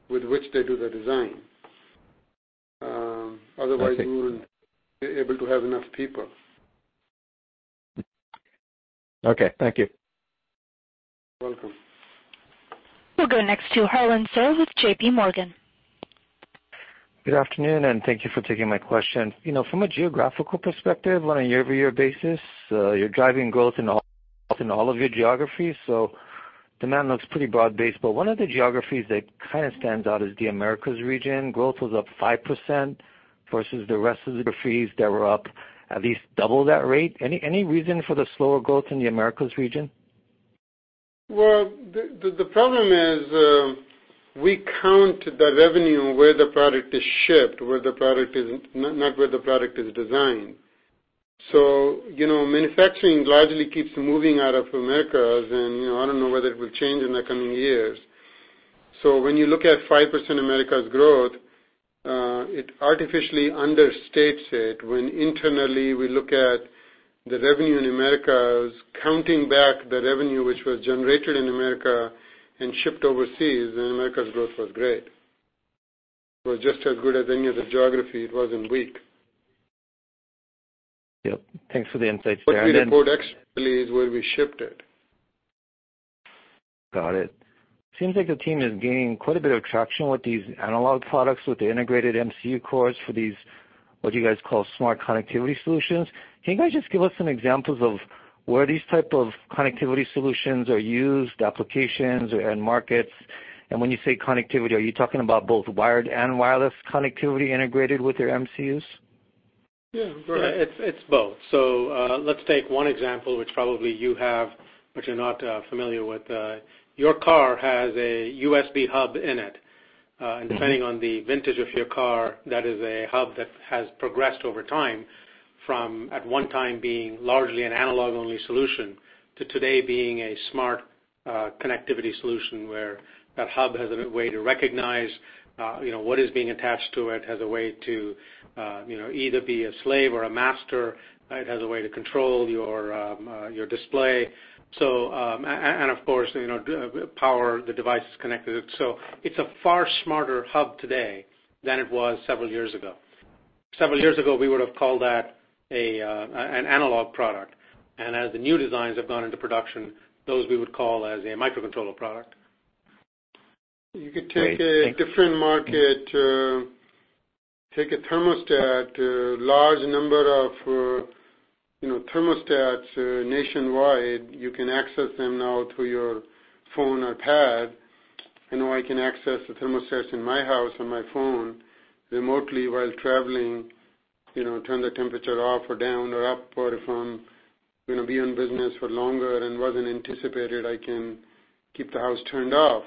with which they do the design. Otherwise, we wouldn't be able to have enough people. Okay, thank you. Welcome. We'll go next to Harlan Sur with J.P. Morgan. Good afternoon, thank you for taking my question. From a geographical perspective, on a year-over-year basis, you're driving growth in all of your geographies, demand looks pretty broad-based. One of the geographies that kind of stands out is the Americas region. Growth was up 5% versus the rest of the geographies that were up at least double that rate. Any reason for the slower growth in the Americas region? Well, the problem is, we count the revenue where the product is shipped, not where the product is designed. Manufacturing largely keeps moving out of Americas, I don't know whether it will change in the coming years. When you look at 5% Americas growth, it artificially understates it when internally we look at the revenue in Americas, counting back the revenue which was generated in America and shipped overseas, then Americas growth was great. It was just as good as any other geography. It wasn't weak. Yep. Thanks for the insights, Harlan Sur. What we report actually is where we shipped it. Got it. Seems like the team is gaining quite a bit of traction with these analog products, with the integrated MCU cores for these, what you guys call smart connectivity solutions. Can you guys just give us some examples of where these type of connectivity solutions are used, applications and markets? When you say connectivity, are you talking about both wired and wireless connectivity integrated with your MCUs? Yeah, go ahead. It's both. Let's take one example, which probably you have, but you're not familiar with. Your car has a USB hub in it. Depending on the vintage of your car, that is a hub that has progressed over time from, at one time being largely an analog-only solution to today being a smart connectivity solution where that hub has a way to recognize what is being attached to it, has a way to either be a slave or a master. It has a way to control your display. Of course, power the devices connected. It's a far smarter hub today than it was several years ago. Several years ago, we would have called that an analog product. As the new designs have gone into production, those we would call as a microcontroller product. Great. Thank you. You could take a different market. Take a thermostat, a large number of thermostats nationwide, you can access them now through your phone or pad. I know I can access the thermostats in my house on my phone remotely while traveling, turn the temperature off or down or up, or if I'm going to be on business for longer and wasn't anticipated, I can keep the house turned off.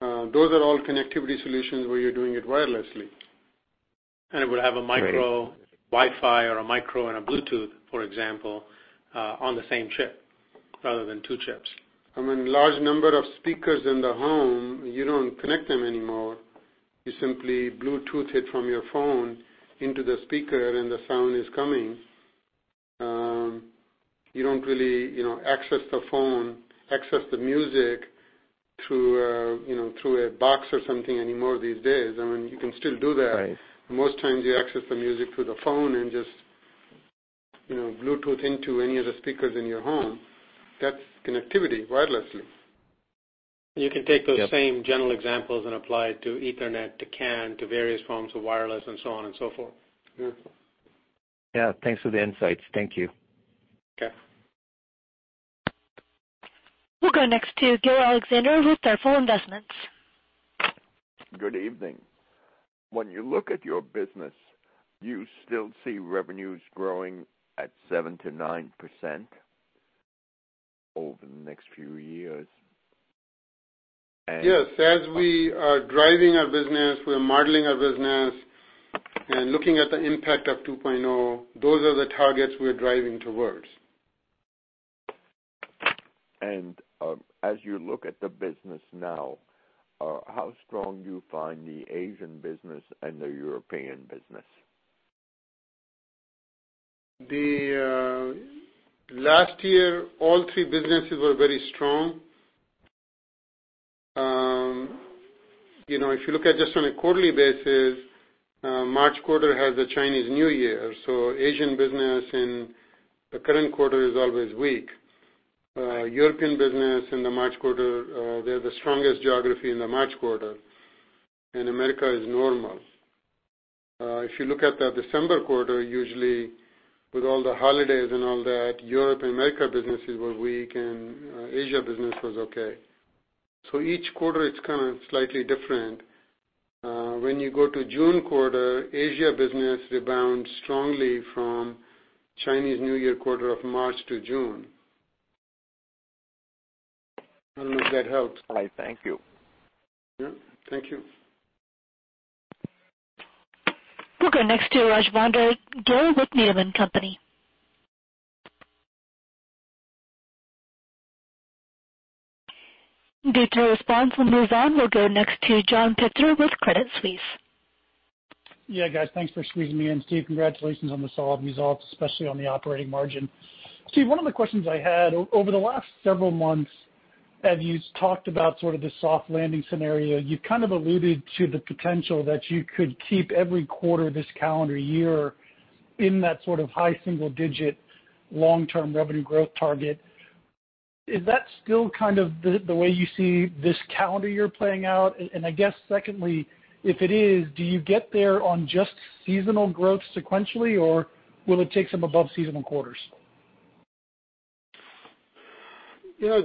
Those are all connectivity solutions where you're doing it wirelessly. It would have a micro Wi-Fi or a micro and a Bluetooth, for example, on the same chip rather than two chips. Large number of speakers in the home, you don't connect them anymore. You simply Bluetooth it from your phone into the speaker, the sound is coming. You don't really access the phone, access the music through a box or something anymore these days. You can still do that. Right. Most times you access the music through the phone and just Bluetooth into any of the speakers in your home. That's connectivity wirelessly. You can take those same general examples and apply it to Ethernet, to CAN, to various forms of wireless and so on and so forth. Yeah. Yeah. Thanks for the insights. Thank you. Okay. We'll go next to Gail Alexander with Careful Investments. Good evening. When you look at your business, do you still see revenues growing at 7%-9% over the next few years? Yes, as we are driving our business, we're modeling our business and looking at the impact of Microchip 2.0, those are the targets we're driving towards. As you look at the business now, how strong do you find the Asian business and the European business? The last year, all three businesses were very strong. If you look at just on a quarterly basis, March quarter has the Chinese New Year, so Asian business in the current quarter is always weak. European business in the March quarter, they're the strongest geography in the March quarter. America is normal. If you look at the December quarter, usually with all the holidays and all that, Europe and America businesses were weak, and Asia business was okay. Each quarter, it's kind of slightly different. When you go to June quarter, Asia business rebounds strongly from Chinese New Year quarter of March to June. I don't know if that helps. I thank you. Yeah. Thank you. We'll go next to (Raj Vanda, Gail) with Needham & Company. Due to no response, we'll move on. We'll go next to John Pitzer with Credit Suisse. Yeah, guys. Thanks for squeezing me in. Steve, congratulations on the solid results, especially on the operating margin. Steve, one of the questions I had, over the last several months, as you talked about sort of the soft landing scenario, you kind of alluded to the potential that you could keep every quarter this calendar year in that sort of high single digit long-term revenue growth target. Is that still kind of the way you see this calendar year playing out? I guess secondly, if it is, do you get there on just seasonal growth sequentially, or will it take some above-seasonal quarters?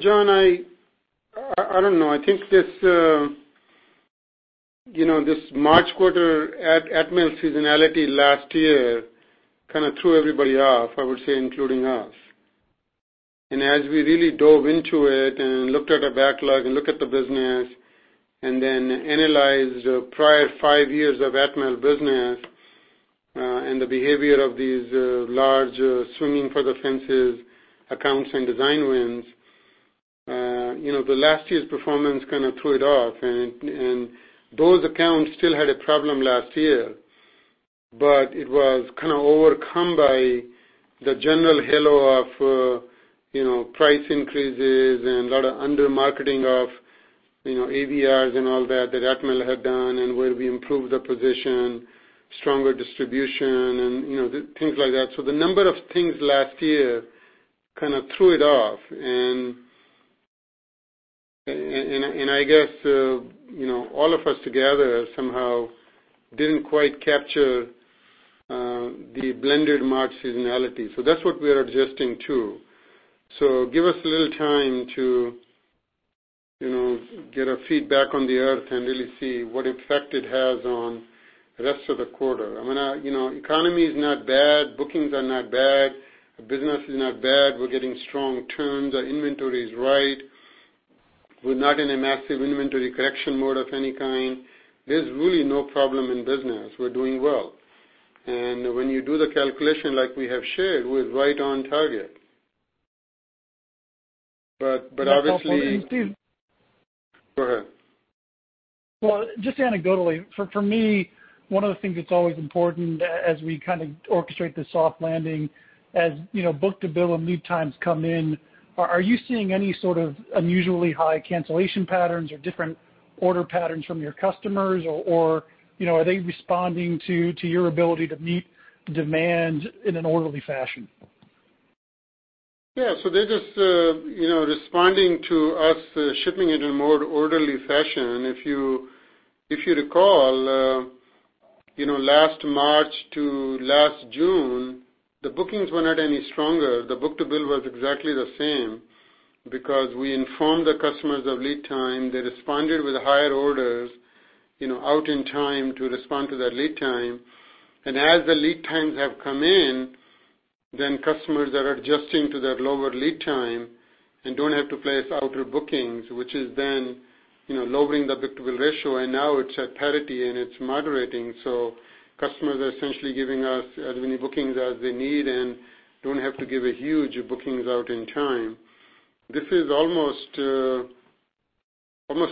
John, I don't know. I think this March quarter Atmel seasonality last year kind of threw everybody off, I would say, including us. As we really dove into it and looked at our backlog and looked at the business and then analyzed prior five years of Atmel business, and the behavior of these large swimming for the fences accounts and design wins, the last year's performance kind of threw it off, and those accounts still had a problem last year. It was kind of overcome by the general halo of price increases and a lot of under-marketing of AVRs and all that Atmel had done and where we improved the position, stronger distribution, and things like that. The number of things last year kind of threw it off, and I guess all of us together somehow didn't quite capture the blended March seasonality. That's what we're adjusting to. Give us a little time to get our feet back on the earth and really see what effect it has on the rest of the quarter. I mean, our economy is not bad. Bookings are not bad. The business is not bad. We're getting strong turns. Our inventory is right. We're not in a massive inventory correction mode of any kind. There's really no problem in business. We're doing well. When you do the calculation like we have shared, we're right on target. Steve. Go ahead. Well, just anecdotally, for me, one of the things that's always important as we kind of orchestrate this soft landing, as book-to-bill and lead times come in, are you seeing any sort of unusually high cancellation patterns or different order patterns from your customers, or are they responding to your ability to meet demand in an orderly fashion? Yeah. They're just responding to us shipping it in a more orderly fashion. If you recall, last March to last June, the bookings were not any stronger. The book-to-bill was exactly the same because we informed the customers of lead time. They responded with higher orders out in time to respond to their lead time. As the lead times have come in, customers are adjusting to that lower lead time and don't have to place outer bookings, which is lowering the book-to-bill ratio, and now it's at parity and it's moderating. Customers are essentially giving us as many bookings as they need and don't have to give huge bookings out in time. This is almost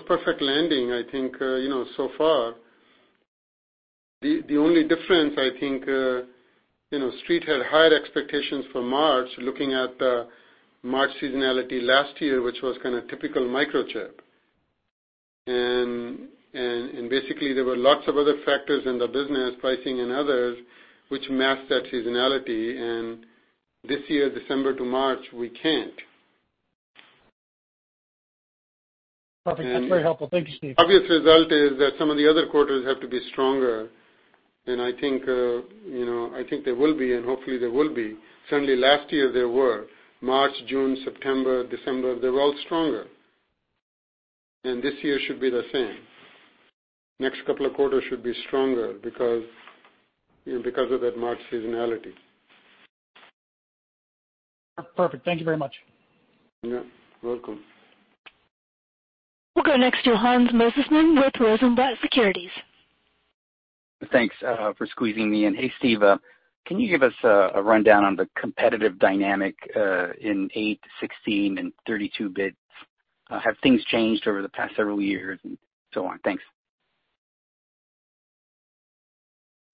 perfect landing, I think, so far. The only difference, I think, Street had higher expectations for March, looking at the March seasonality last year, which was kind of typical Microchip. Basically, there were lots of other factors in the business, pricing and others, which masked that seasonality. This year, December to March, we can't. Perfect. That's very helpful. Thank you, Steve. Obvious result is that some of the other quarters have to be stronger, and I think they will be, and hopefully they will be. Certainly last year they were. March, June, September, December, they were all stronger. This year should be the same. Next couple of quarters should be stronger because of that March seasonality. Perfect. Thank you very much. Yeah, welcome. We'll go next to Hans Mosesmann with Rosenblatt Securities. Thanks for squeezing me in. Hey, Steve. Can you give us a rundown on the competitive dynamic in eight, 16, and 32 bit? Have things changed over the past several years and so on? Thanks.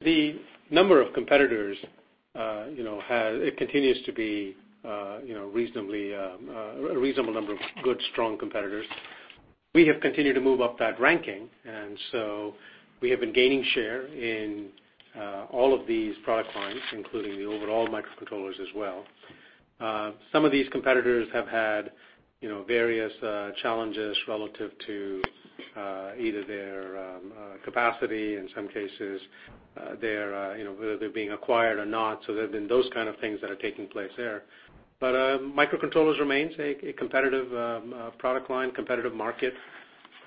The number of competitors, it continues to be a reasonable number of good, strong competitors. We have continued to move up that ranking. We have been gaining share in all of these product lines, including the overall microcontrollers as well. Some of these competitors have had various challenges relative to either their capacity, in some cases, whether they're being acquired or not. There have been those kind of things that are taking place there. Microcontrollers remains a competitive product line, competitive market.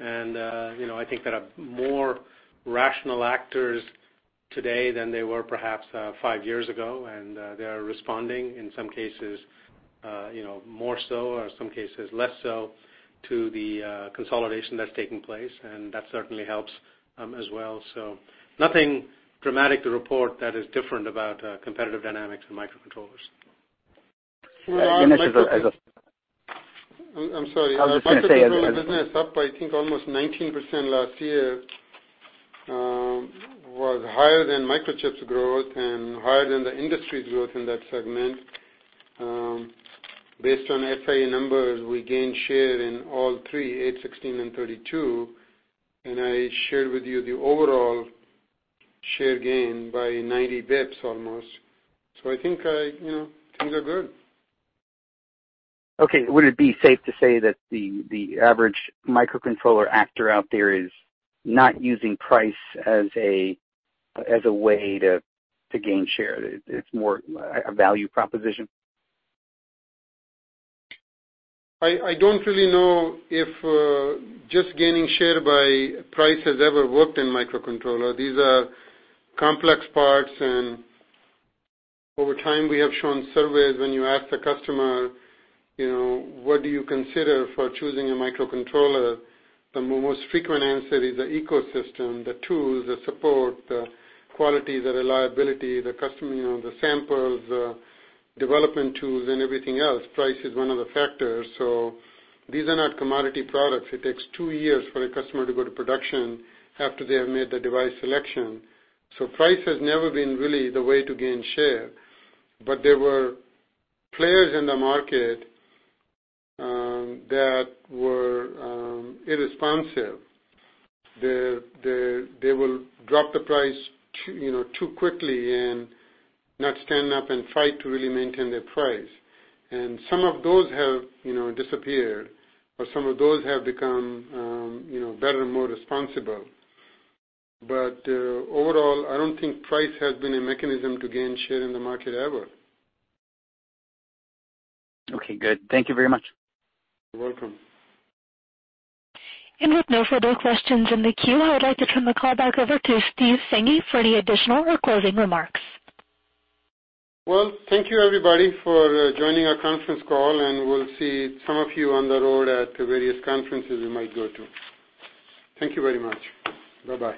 I think there are more rational actors today than they were perhaps five years ago, and they are responding, in some cases more so, or some cases less so, to the consolidation that's taking place, and that certainly helps as well. Nothing dramatic to report that is different about competitive dynamics in microcontrollers. I'm sorry. I was just going to say. Microcontroller business up by, I think, almost 19% last year, was higher than Microchip's growth and higher than the industry's growth in that segment. Based on FAE numbers, we gained share in all three, eight, 16, and 32, and I shared with you the overall share gain by 90 basis points almost. I think things are good. Okay. Would it be safe to say that the average microcontroller actor out there is not using price as a way to gain share, it's more a value proposition? I don't really know if just gaining share by price has ever worked in microcontroller. These are complex parts, and over time we have shown surveys when you ask the customer, what do you consider for choosing a microcontroller? The most frequent answer is the ecosystem, the tools, the support, the quality, the reliability, the customer, the samples, the development tools and everything else. Price is one of the factors. These are not commodity products. It takes two years for a customer to go to production after they have made the device selection. Price has never been really the way to gain share. There were players in the market that were unresponsive. They will drop the price too quickly and not stand up and fight to really maintain their price. Some of those have disappeared, or some of those have become better and more responsible. Overall, I don't think price has been a mechanism to gain share in the market ever. Okay, good. Thank you very much. You're welcome. With no further questions in the queue, I would like to turn the call back over to Steve Sanghi for any additional or closing remarks. Well, thank you everybody for joining our conference call, and we'll see some of you on the road at various conferences we might go to. Thank you very much. Bye-bye.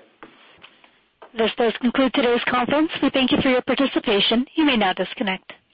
This does conclude today's conference. We thank you for your participation. You may now disconnect.